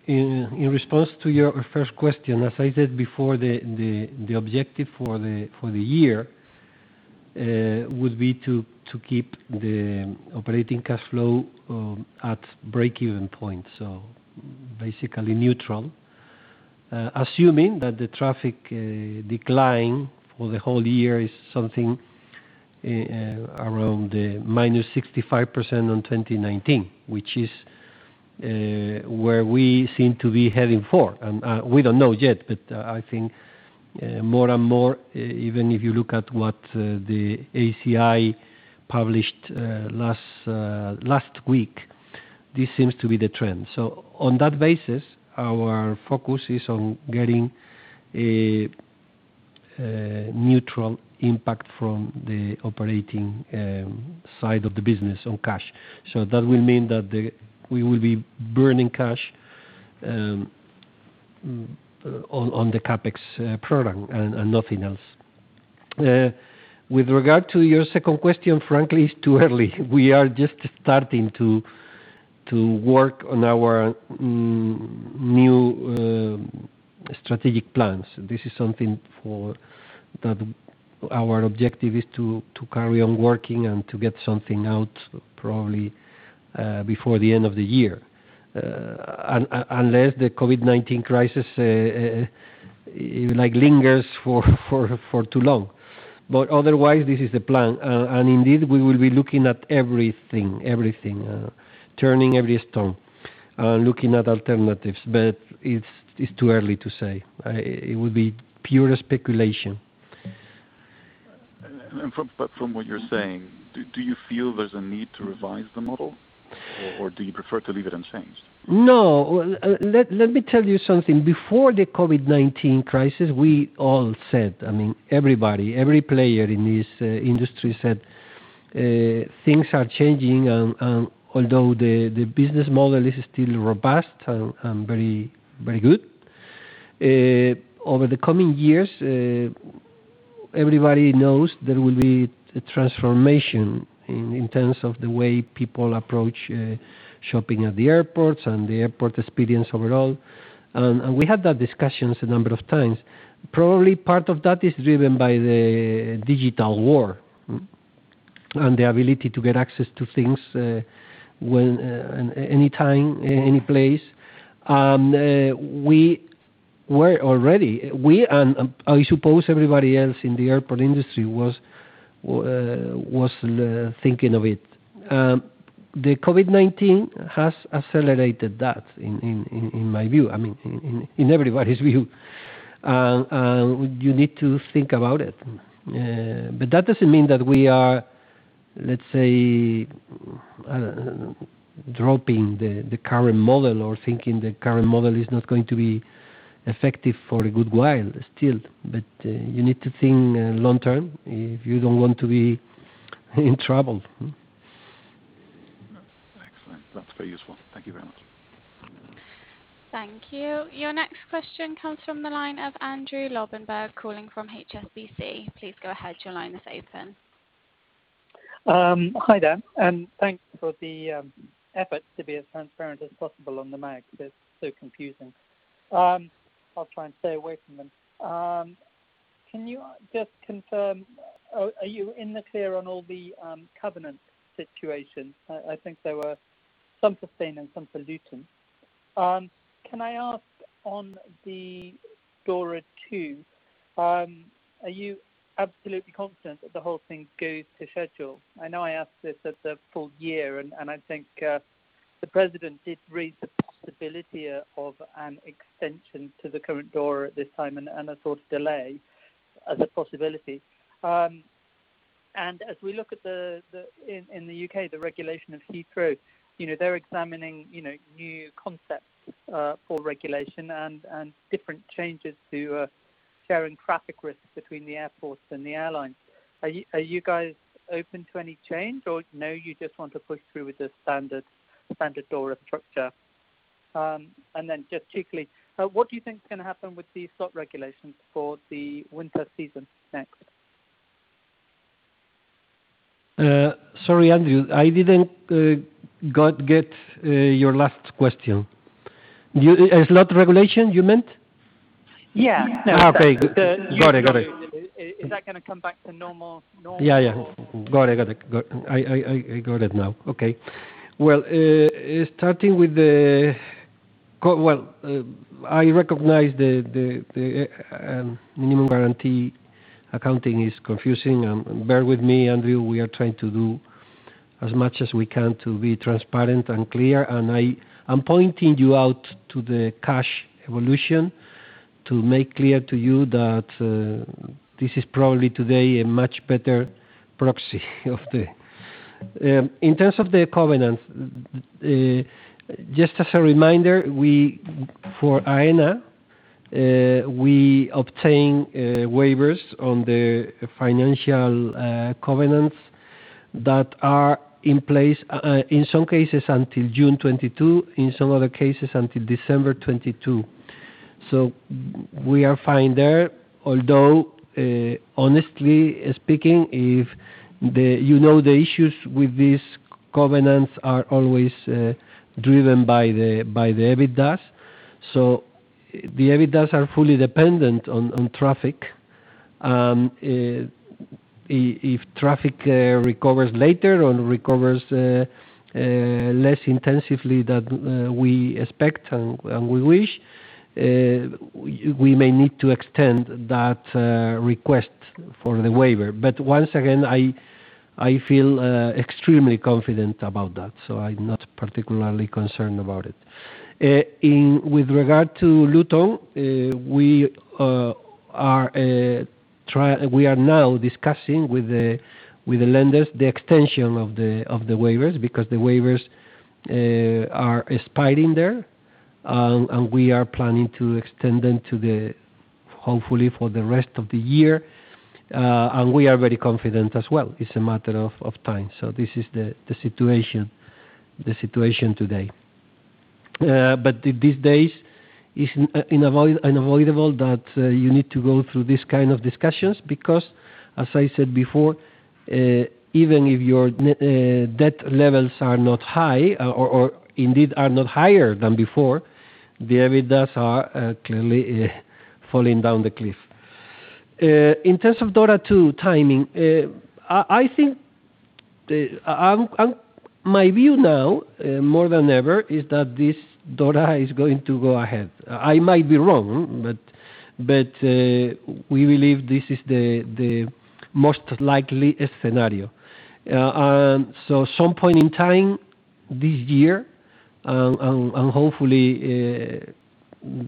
[SPEAKER 2] in response to your first question, as I said before, the objective for the year would be to keep the operating cash flow at break-even point, so basically neutral, assuming that the traffic decline for the whole year is something around the -65% on 2019, which is where we seem to be heading for. We don't know yet, but I think more and more, even if you look at what the ACI published last week, this seems to be the trend. On that basis, our focus is on getting a neutral impact from the operating side of the business on cash. That will mean that we will be burning cash on the CapEx program and nothing else. With regard to your second question, frankly, it's too early. We are just starting to work on our new strategic plans. This is something that our objective is to carry on working and to get something out probably before the end of the year, unless the COVID-19 crisis lingers for too long. Otherwise, this is the plan, and indeed, we will be looking at everything, turning every stone, looking at alternatives, but it's too early to say. It would be pure speculation.
[SPEAKER 8] From what you're saying, do you feel there's a need to revise the model, or do you prefer to leave it unchanged?
[SPEAKER 2] No. Let me tell you something. Before the COVID-19 crisis, we all said, everybody, every player in this industry said things are changing, and although the business model is still robust and very good, over the coming years everybody knows there will be a transformation in terms of the way people approach shopping at the airports and the airport experience overall. We had that discussion a number of times. Probably part of that is driven by the digital world and the ability to get access to things anytime, anyplace. We were already, we and I suppose everybody else in the airport industry, was thinking of it. The COVID-19 has accelerated that in my view, in everybody's view, and you need to think about it. That doesn't mean that we are, let's say, dropping the current model or thinking the current model is not going to be effective for a good while still. You need to think long term if you don't want to be in trouble.
[SPEAKER 8] Excellent. That's very useful. Thank you very much.
[SPEAKER 3] Thank you. Your next question comes from the line of Andrew Lobbenberg calling from HSBC. Please go ahead. Your line is open.
[SPEAKER 9] Hi there, and thanks for the effort to be as transparent as possible on the MAG because it's so confusing. I'll try and stay away from them. Can you just confirm, are you in the clear on all the covenant situations? I think there were some for Spain and some for Luton. Can I ask on the DORA II, are you absolutely confident that the whole thing goes to schedule? I know I asked this at the full year, and I think the President did raise the possibility of an extension to the current DORA at this time and a sort of delay as a possibility. As we look in the U.K., the regulation of Heathrow, they're examining new concepts for regulation and different changes to sharing traffic risks between the airports and the airlines. Are you guys open to any change, or no, you just want to push through with the standard DORA structure? Just quickly, what do you think is going to happen with the slot regulations for the winter season next?
[SPEAKER 2] Sorry, Andrew, I didn't get your last question. Slot regulation, you meant?
[SPEAKER 9] Yeah.
[SPEAKER 2] Okay. Got it.
[SPEAKER 9] Is that going to come back to normal?
[SPEAKER 2] Yeah. Got it. I got it now. Okay. Well, I recognize the minimum guarantee accounting is confusing. Bear with me, Andrew, we are trying to do as much as we can to be transparent and clear. I am pointing you out to the cash evolution to make clear to you that this is probably today a much better proxy In terms of the covenant, just as a reminder, for Aena, we obtain waivers on the financial covenants that are in place, in some cases until June 2022, in some other cases until December 2022. We are fine there, although, honestly speaking, the issues with these covenants are always driven by the EBITDA. The EBITDA are fully dependent on traffic. If traffic recovers later or recovers less intensively than we expect and we wish, we may need to extend that request for the waiver. Once again, I feel extremely confident about that, so I'm not particularly concerned about it. With regard to Luton, we are now discussing with the lenders the extension of the waivers, because the waivers are expiring there, and we are planning to extend them, hopefully, for the rest of the year. We are very confident as well. It's a matter of time. This is the situation today. These days, it's unavoidable that you need to go through these kind of discussions because, as I said before, even if your debt levels are not high or indeed are not higher than before, the EBITDA are clearly falling down the cliff. In terms of DORA II timing, my view now, more than ever, is that this DORA is going to go ahead. I might be wrong, but we believe this is the most likely scenario. Some point in time this year, and hopefully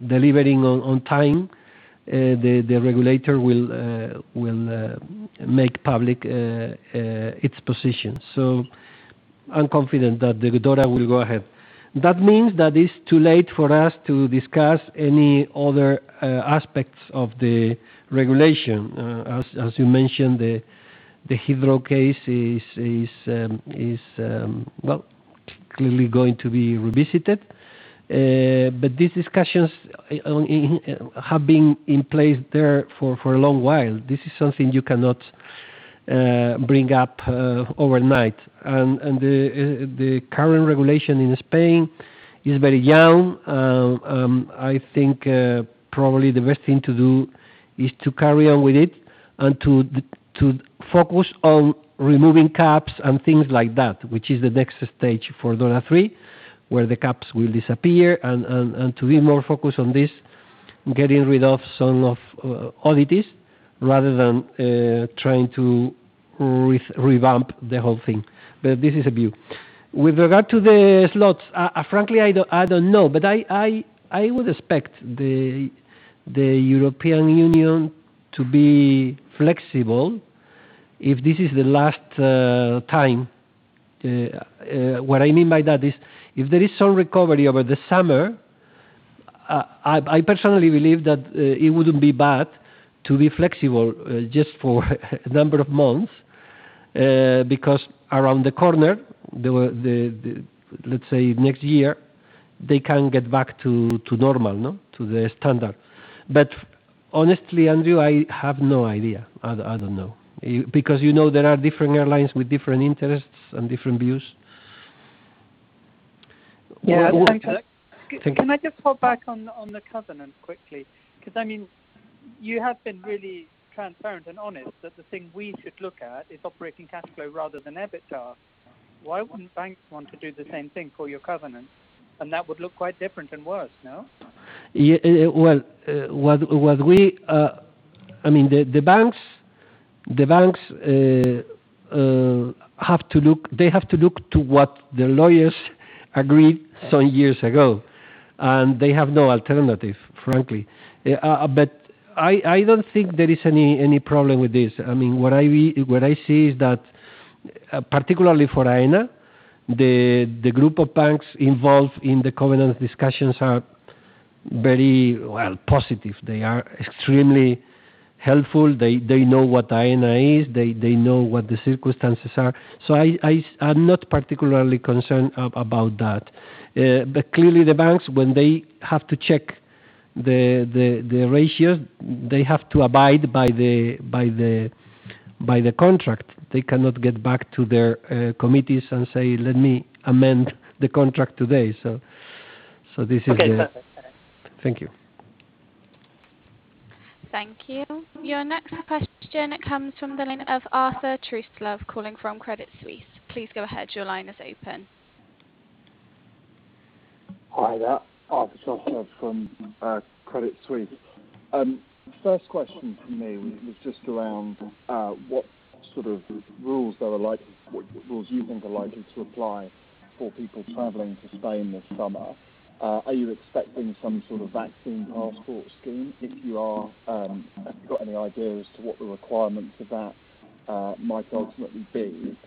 [SPEAKER 2] delivering on time, the regulator will make public its position. I'm confident that the DORA will go ahead. That means that it's too late for us to discuss any other aspects of the regulation. As you mentioned, the Heathrow case is clearly going to be revisited. These discussions have been in place there for a long while. This is something you cannot bring up overnight. The current regulation in Spain is very young. I think probably the best thing to do is to carry on with it and to focus on removing caps and things like that, which is the next stage for DORA III, where the caps will disappear, and to be more focused on this, getting rid of some of audits rather than trying to revamp the whole thing. This is a view. With regard to the slots, frankly, I don't know. I would expect the European Union to be flexible if this is the last time. What I mean by that is if there is some recovery over the summer, I personally believe that it wouldn't be bad to be flexible just for a number of months, because around the corner, let's say next year, they can get back to normal, no, to the standard. Honestly, Andrew, I have no idea. I don't know. There are different airlines with different interests and different views.
[SPEAKER 9] Can I just pop back on the covenant quickly? You have been really transparent and honest that the thing we should look at is operating cash flow rather than EBITDA. Why wouldn't banks want to do the same thing for your covenant? That would look quite different and worse, no?
[SPEAKER 2] Yeah. The banks have to look to what the lawyers agreed some years ago, and they have no alternative, frankly. I don't think there is any problem with this. What I see is that, particularly for Aena, the group of banks involved in the covenant discussions are very positive. They are extremely helpful. They know what Aena is. They know what the circumstances are. I'm not particularly concerned about that. Clearly, the banks, when they have to check the ratio, they have to abide by the contract. They cannot get back to their committees and say, "Let me amend the contract today.
[SPEAKER 9] Okay. Perfect. Thanks.
[SPEAKER 2] Thank you.
[SPEAKER 3] Thank you. Your next question comes from the line of Arthur Truslove calling from Credit Suisse. Please go ahead.
[SPEAKER 10] Hi there. Arthur Truslove from Credit Suisse. First question from me was just around what rules you think are likely to apply for people traveling to Spain this summer. Are you expecting some sort of vaccine passport scheme? If you are, have you got any idea as to what the requirements of that might ultimately be?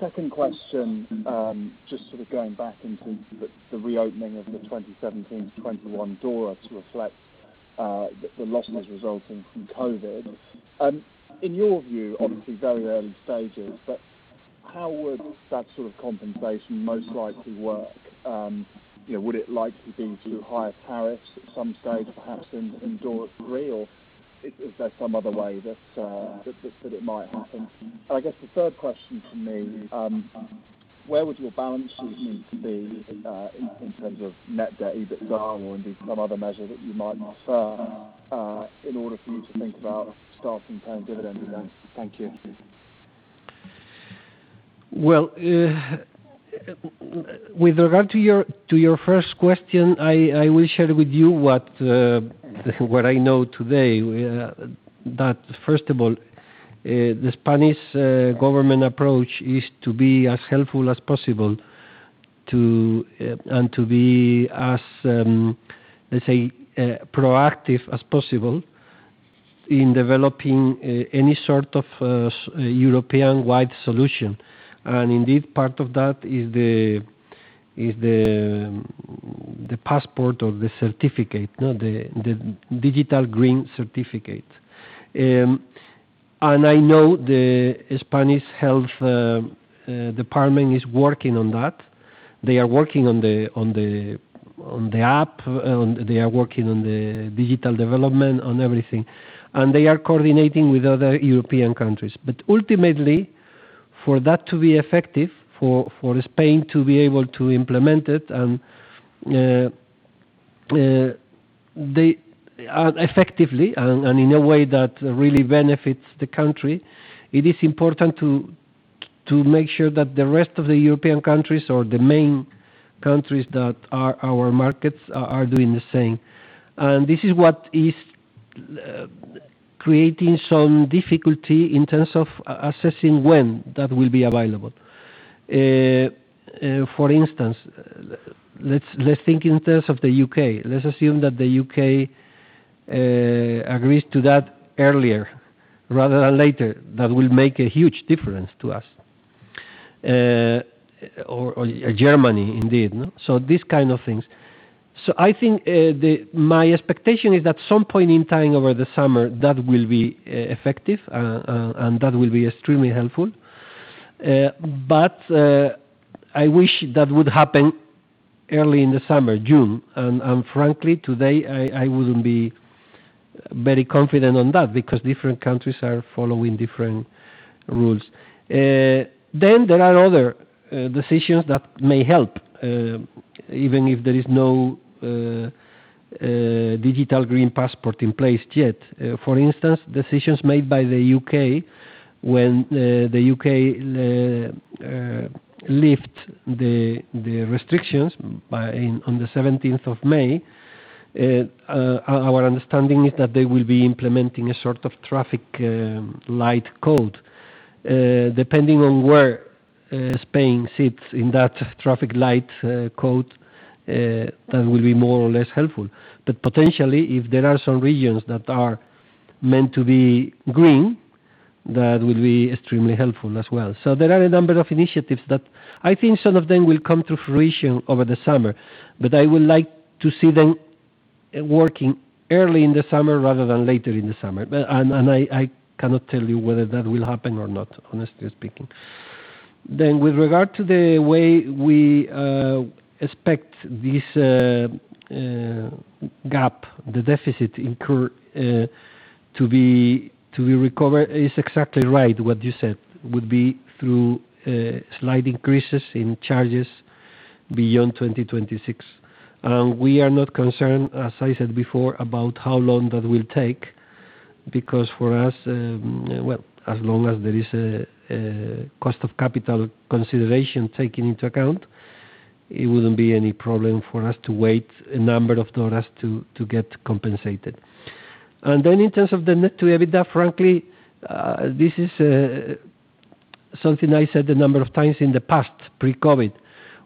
[SPEAKER 10] Second question, just going back into the reopening of the 2017-2021 DORA to reflect the losses resulting from COVID. In your view, obviously very early stages, but how would that sort of compensation most likely work? Would it likely be through higher tariffs at some stage, perhaps in DORA 3, or is there some other way that it might happen? I guess the third question from me, where would your balance sheet need to be, in terms of net debt, EBITDA, or indeed some other measure that you might prefer, in order for you to think about starting paying dividends again? Thank you.
[SPEAKER 2] With regard to your first question, I will share with you what I know today. First of all, the Spanish government approach is to be as helpful as possible and to be as, let's say, proactive as possible in developing any sort of European-wide solution. Indeed, part of that is the passport or the certificate, the Digital Green Certificate. I know the Spanish health department is working on that. They are working on the app, they are working on the digital development, on everything. They are coordinating with other European countries. Ultimately, for that to be effective, for Spain to be able to implement it effectively and in a way that really benefits the country, it is important to make sure that the rest of the European countries, or the main countries that are our markets, are doing the same. This is what is creating some difficulty in terms of assessing when that will be available. For instance, let's think in terms of the U.K. Let's assume that the U.K. agrees to that earlier rather than later. That will make a huge difference to us. Germany, indeed. These kind of things. I think my expectation is at some point in time over the summer, that will be effective, and that will be extremely helpful. I wish that would happen early in the summer, June. Frankly, today, I wouldn't be very confident on that because different countries are following different rules. There are other decisions that may help, even if there is no Digital Green Certificate in place yet. For instance, decisions made by the U.K. when the U.K. lift the restrictions on the 17th of May. Our understanding is that they will be implementing a sort of traffic light code. Depending on where Spain sits in that traffic light code, that will be more or less helpful. Potentially, if there are some regions that are meant to be green, that will be extremely helpful as well. There are a number of initiatives that I think some of them will come to fruition over the summer, but I would like to see them working early in the summer rather than later in the summer. I cannot tell you whether that will happen or not, honestly speaking. With regard to the way we expect this gap, the deficit to be recovered is exactly right what you said, would be through slight increases in charges beyond 2026. We are not concerned, as I said before, about how long that will take, because for us, well, as long as there is a cost of capital consideration taken into account, it wouldn't be any problem for us to wait a number of DORAs to get compensated. In terms of the net debt to EBITDA, frankly, this is something I said a number of times in the past, pre-COVID.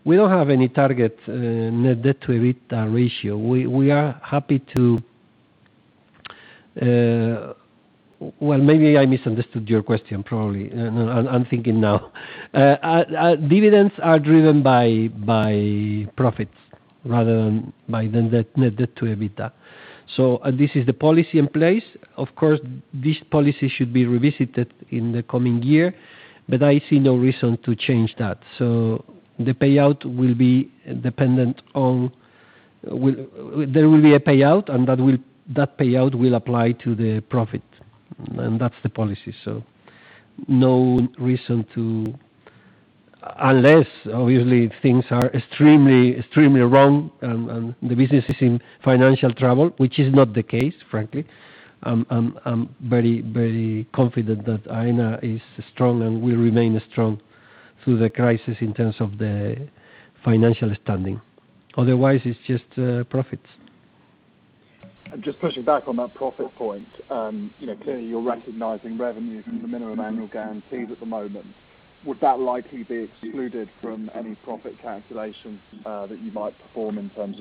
[SPEAKER 2] We don't have any target net debt to EBITDA ratio. We are happy to. Well, maybe I misunderstood your question, probably. I'm thinking now. Dividends are driven by profits rather than net debt to EBITDA. This is the policy in place. Of course, this policy should be revisited in the coming year, but I see no reason to change that. There will be a payout, and that payout will apply to the profit, and that's the policy. No reason to, unless obviously things are extremely wrong and the business is in financial trouble, which is not the case, frankly. I'm very confident that Aena is strong and will remain strong through the crisis in terms of the financial standing. Otherwise, it's just profits.
[SPEAKER 10] Just pushing back on that profit point. Clearly you're recognizing revenue from the minimum annual guarantees at the moment. Would that likely be excluded from any profit calculations that you might perform in terms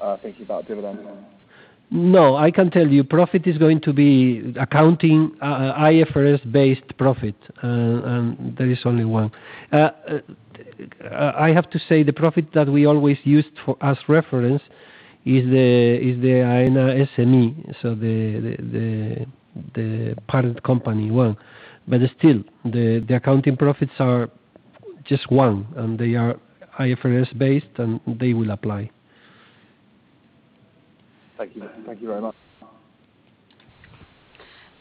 [SPEAKER 10] of thinking about dividend payment?
[SPEAKER 2] No, I can tell you profit is going to be accounting IFRS-based profit, and there is only one. I have to say, the profit that we always used as reference is the Aena SME, so the parent company one. Still, the accounting profits are just one, and they are IFRS based, and they will apply.
[SPEAKER 10] Thank you. Thank you very much.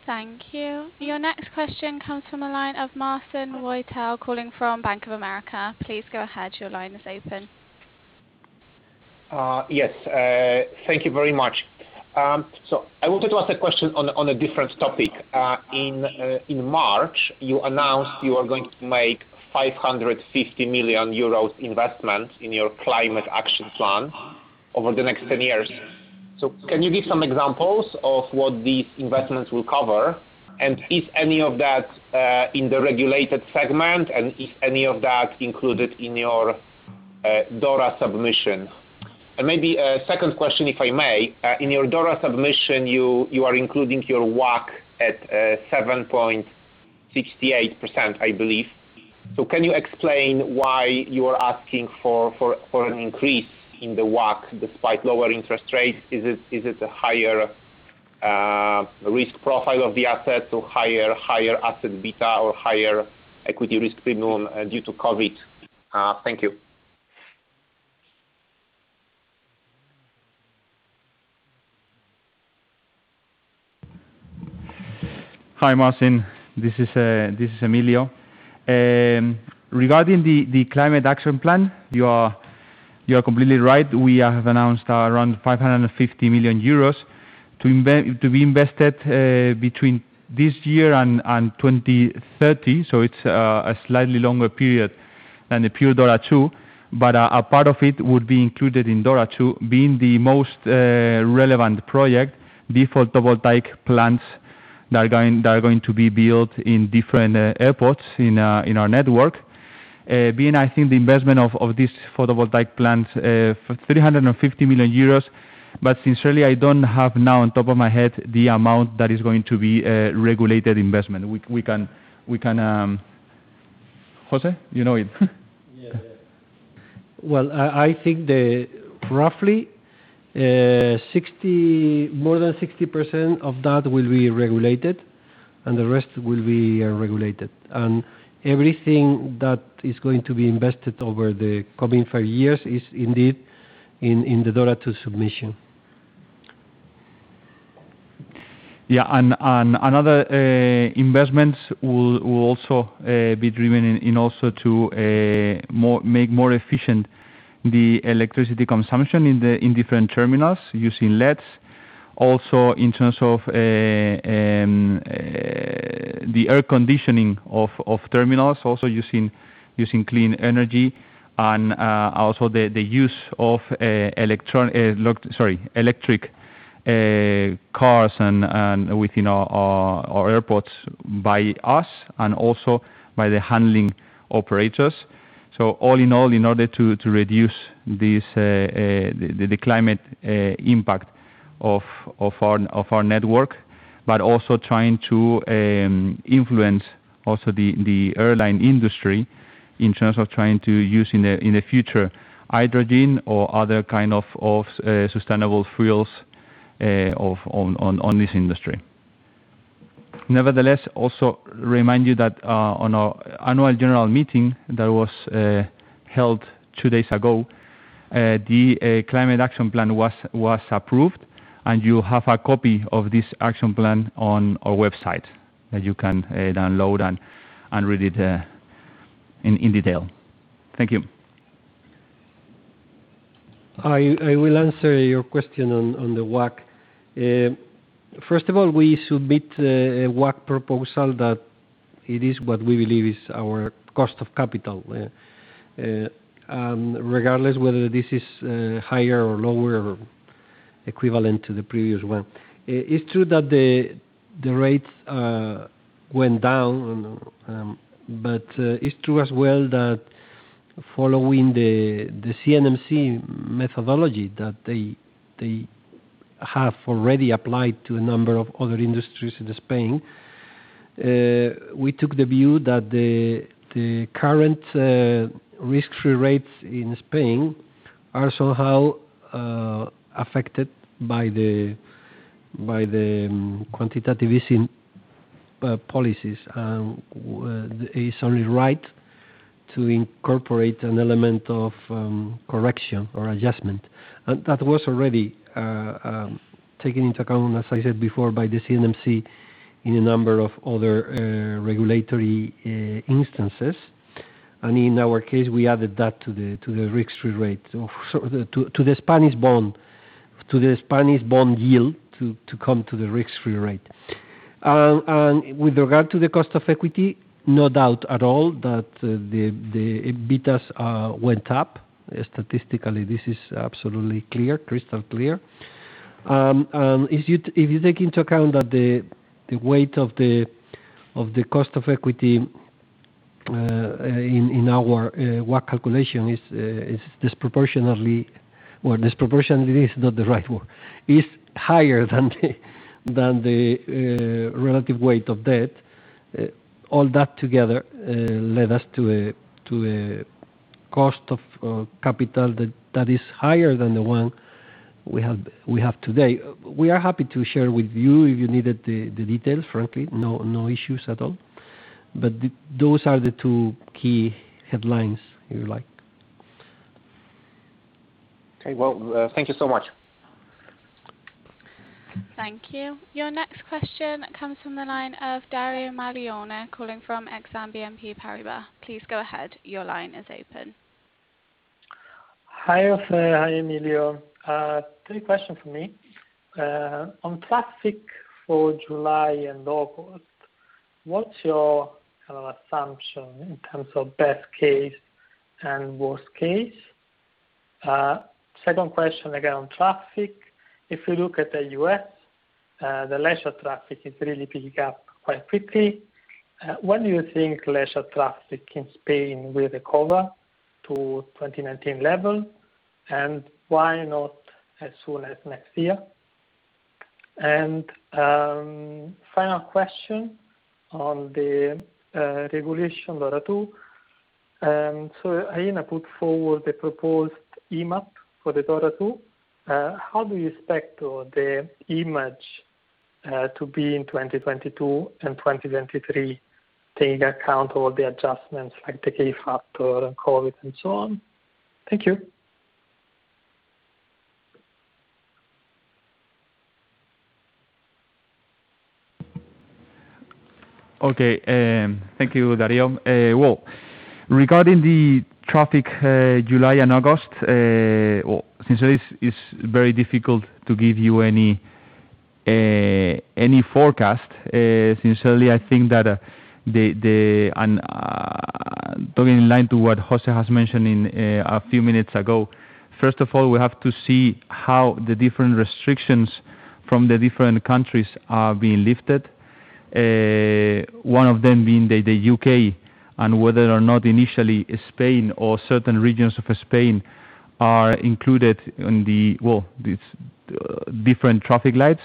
[SPEAKER 3] Thank you. Your next question comes from the line of Marcin Wojtal calling from Bank of America. Please go ahead, your line is open.
[SPEAKER 11] Yes, thank you very much. I wanted to ask a question on a different topic. In March, you announced you are going to make 550 million euros investment in your Climate Action Plan over the next 10 years. Can you give some examples of what these investments will cover, and is any of that in the regulated segment, and is any of that included in your DORA submission? Maybe a second question, if I may. In your DORA submission, you are including your WACC at 7.68%, I believe. Can you explain why you are asking for an increase in the WACC despite lower interest rates? Is it a higher risk profile of the asset to higher asset beta or higher equity risk premium due to COVID? Thank you.
[SPEAKER 1] Hi, Marcin. This is Emilio. Regarding the Climate Action Plan, you are completely right. We have announced around 550 million euros to be invested between this year and 2030. It's a slightly longer period than the pure DORA II, but a part of it would be included in DORA II being the most relevant project before photovoltaic plants that are going to be built in different airports in our network. Being, I think the investment of these photovoltaic plants, 350 million euros. Sincerely, I don't have now on top of my head the amount that is going to be a regulated investment. We can José, you know it.
[SPEAKER 2] Yeah. Well, I think that roughly more than 60% of that will be regulated and the rest will be unregulated. Everything that is going to be invested over the coming five years is indeed in the DORA II submission.
[SPEAKER 1] Yeah, another investment will also be driven in also to make more efficient the electricity consumption in different terminals using LEDs. Also, in terms of the air conditioning of terminals, also using clean energy and also the use of electric cars within our airports by us and also by the handling operators. All in all, in order to reduce the climate impact of our network, but also trying to influence also the airline industry in terms of trying to use in the future hydrogen or other kind of sustainable fuels on this industry. Also remind you that on our Annual General Meeting that was held two days ago, the Climate Action Plan was approved, and you have a copy of this action plan on our website that you can download and read it in detail. Thank you.
[SPEAKER 2] I will answer your question on the WACC. First of all, we submit a WACC proposal that it is what we believe is our cost of capital, regardless whether this is higher or lower or equivalent to the previous one. It's true that the rates went down, it's true as well that following the CNMC methodology that they have already applied to a number of other industries in Spain, we took the view that the current risk-free rates in Spain are somehow affected by the quantitative easing policies, it's only right to incorporate an element of correction or adjustment. That was already taken into account, as I said before, by the CNMC in a number of other regulatory instances. In our case, we added that to the risk-free rate, to the Spanish bond yield, to come to the risk-free rate. With regard to the cost of equity, no doubt at all that the betas went up. Statistically, this is absolutely clear, crystal clear. If you take into account that the weight of the cost of equity in our WACC calculation is disproportionately is not the right word, is higher than the relative weight of debt, all that together led us to a cost of capital that is higher than the one we have today. We are happy to share with you if you needed the details, frankly, no issues at all. Those are the two key headlines, if you like.
[SPEAKER 11] Okay, well, thank you so much.
[SPEAKER 3] Thank you. Your next question comes from the line of Dario Maglione, calling from BNP Paribas Exane. Please go ahead. Your line is open.
[SPEAKER 12] Hi, José. Hi, Emilio. Three questions from me. On traffic for July and August, what is your assumption in terms of best case and worst case? Second question, again, on traffic. If you look at the U.S., the leisure traffic is really picking up quite quickly. When do you think leisure traffic in Spain will recover to 2019 level? Why not as soon as next year? Final question on the regulation DORA II. Aena put forward the proposed IMAP for the DORA II. How do you expect the IMAAJ to be in 2022 and 2023, taking account all the adjustments like the K-factor and COVID, and so on? Thank you.
[SPEAKER 1] Okay. Thank you, Dario. Well, regarding the traffic July and August, since it's very difficult to give you any forecast, sincerely, I think that talking in line to what José has mentioned a few minutes ago, first of all, we have to see how the different restrictions from the different countries are being lifted. Whether or not initially Spain or certain regions of Spain are included in these different traffic lights.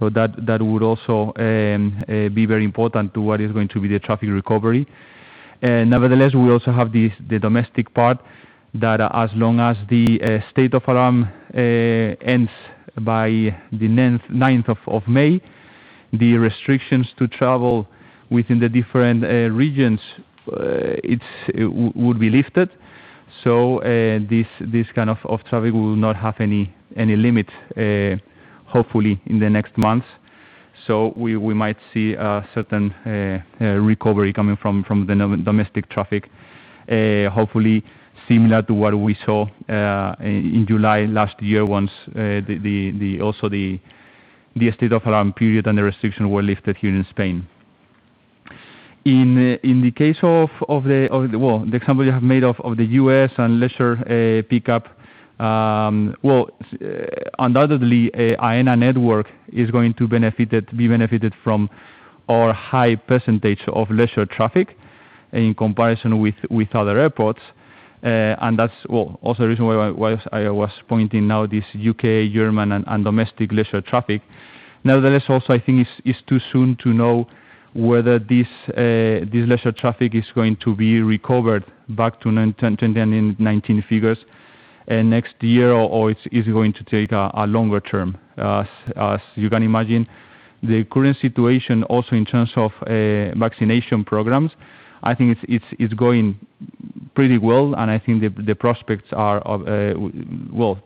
[SPEAKER 1] That would also be very important to what is going to be the traffic recovery. Nevertheless, we also have the domestic part that as long as the state of alarm ends by the 9th of May, the restrictions to travel within the different regions would be lifted. This kind of traffic will not have any limit, hopefully in the next months. We might see a certain recovery coming from the domestic traffic, hopefully similar to what we saw in July last year once also the state of alarm period and the restriction were lifted here in Spain. In the case of the example you have made of the U.S. and leisure pickup, undoubtedly, Aena network is going to be benefited from our high percentage of leisure traffic in comparison with other airports, and that's also the reason why I was pointing now this U.K., German, and domestic leisure traffic. Also, I think it's too soon to know whether this leisure traffic is going to be recovered back to 2019 figures and next year, or it is going to take a longer term. As you can imagine, the current situation also in terms of vaccination programs, I think it's going pretty well, and I think the prospects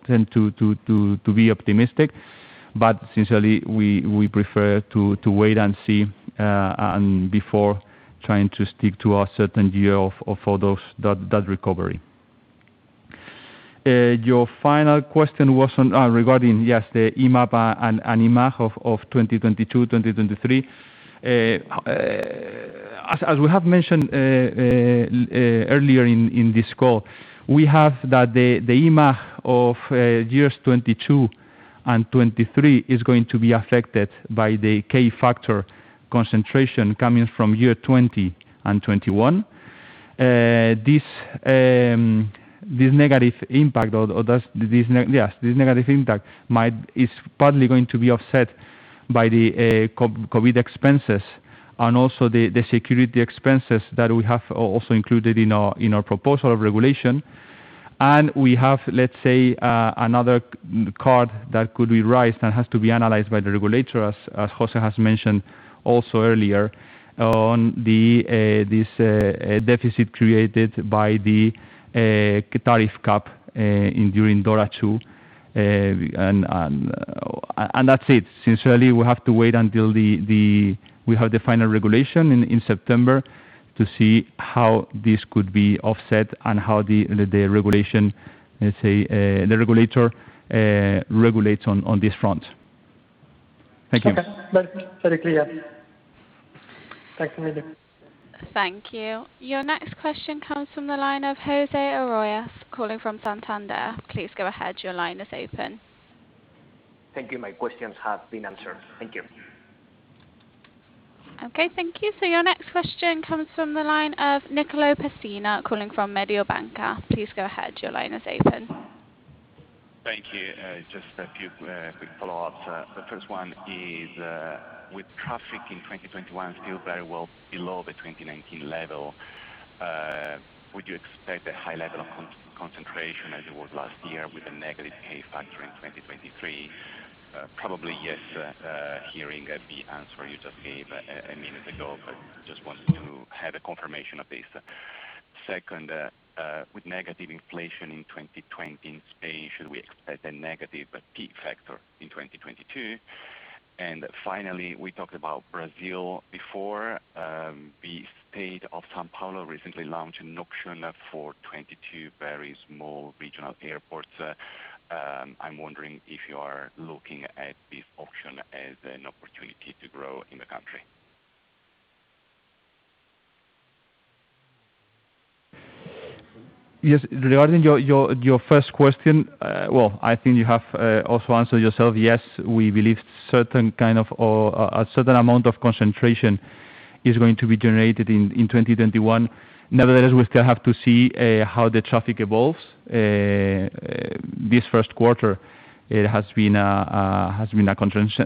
[SPEAKER 1] tend to be optimistic. Sincerely, we prefer to wait and see before trying to stick to a certain year for that recovery. Your final question was regarding, yes, the IMAP and IMAAJ of 2022, 2023. As we have mentioned earlier in this call, we have that the IMAAJ of years 2022 and 2023 is going to be affected by the K-factor compensation coming from year 2020 and 2021. This negative impact is partly going to be offset by the COVID expenses and also the security expenses that we have also included in our proposal of regulation. We have, let's say, another card that could be raised and has to be analyzed by the regulators, as José has mentioned also earlier, on this deficit created by the tariff cap during DORA II. That's it. Sincerely, we have to wait until we have the final regulation in September to see how this could be offset and how the regulator regulates on this front. Thank you.
[SPEAKER 12] Okay. Very clear. Thanks Emilio.
[SPEAKER 3] Thank you. Your next question comes from the line of José Manuel Arroyas, calling from Santander. Please go ahead, your line is open.
[SPEAKER 13] Thank you. My questions have been answered. Thank you.
[SPEAKER 3] Okay. Thank you. Your next question comes from the line of Nicolo Pessina, calling from Mediobanca. Please go ahead, your line is open.
[SPEAKER 4] Thank you. Just a few quick follow-ups. The first one is, with traffic in 2021 still very well below the 2019 level, would you expect a high level of concentration as it was last year with a negative K-factor in 2023? Probably yes, hearing the answer you just gave a minute ago, but just wanted to have a confirmation of this. Second, with negative inflation in 2020 in Spain, should we expect a negative P-factor in 2022? Finally, we talked about Brazil before. The state of São Paulo recently launched an auction for 22 very small regional airports. I'm wondering if you are looking at this auction as an opportunity to grow in the country.
[SPEAKER 1] Yes. Regarding your first question, well, I think you have also answered yourself. Yes, we believe a certain amount of concentration is going to be generated in 2021. Nevertheless, we still have to see how the traffic evolves. This first quarter, it has been a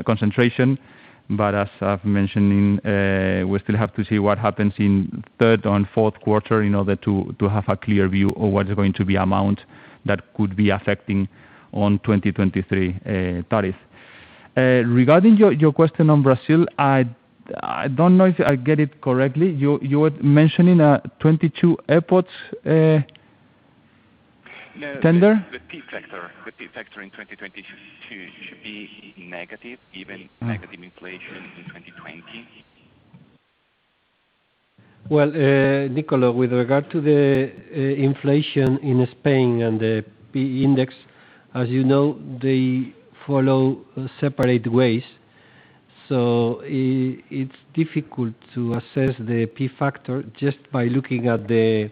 [SPEAKER 1] concentration. As I've mentioned, we still have to see what happens in third and fourth quarter in order to have a clear view of what is going to be amount that could be affecting on 2023 tariffs. Regarding your question on Brazil, I don't know if I get it correctly. You were mentioning 22 airports tender?
[SPEAKER 4] No, the P-factor in 2022 should be negative given negative inflation in 2020?
[SPEAKER 2] Well, Nicolo, with regard to the inflation in Spain and the P index, as you know, they follow separate ways. It's difficult to assess the P-factor just by looking at the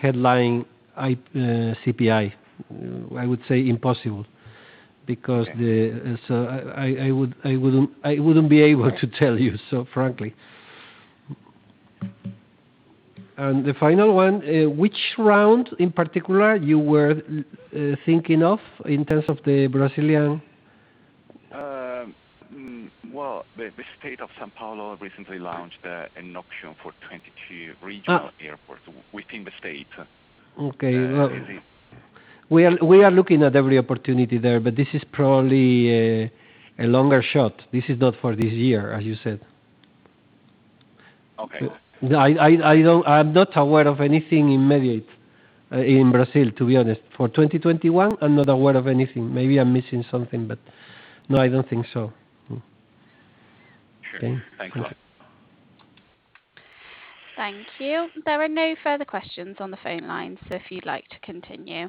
[SPEAKER 2] headline CPI. I would say impossible.
[SPEAKER 4] Okay
[SPEAKER 2] I wouldn't be able to tell you, so frankly. The final one, which round in particular you were thinking of in terms of the Brazilian?
[SPEAKER 4] Well, the state of São Paulo recently launched an auction for 22 regional airports within the state.
[SPEAKER 2] Okay.
[SPEAKER 4] Is it-
[SPEAKER 2] We are looking at every opportunity there, but this is probably a longer shot. This is not for this year, as you said.
[SPEAKER 4] Okay.
[SPEAKER 2] I'm not aware of anything immediate in Brazil, to be honest. For 2021, I'm not aware of anything. Maybe I'm missing something, but no, I don't think so.
[SPEAKER 4] Sure.
[SPEAKER 2] Okay.
[SPEAKER 4] Thanks a lot.
[SPEAKER 3] Thank you. There are no further questions on the phone line, if you'd like to continue.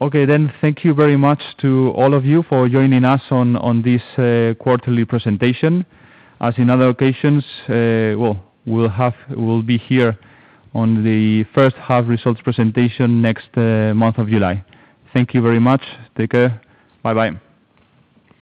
[SPEAKER 1] Okay. Thank you very much to all of you for joining us on this quarterly presentation. As in other occasions, we'll be here on the first half results presentation next month of July. Thank you very much. Take care. Bye-bye.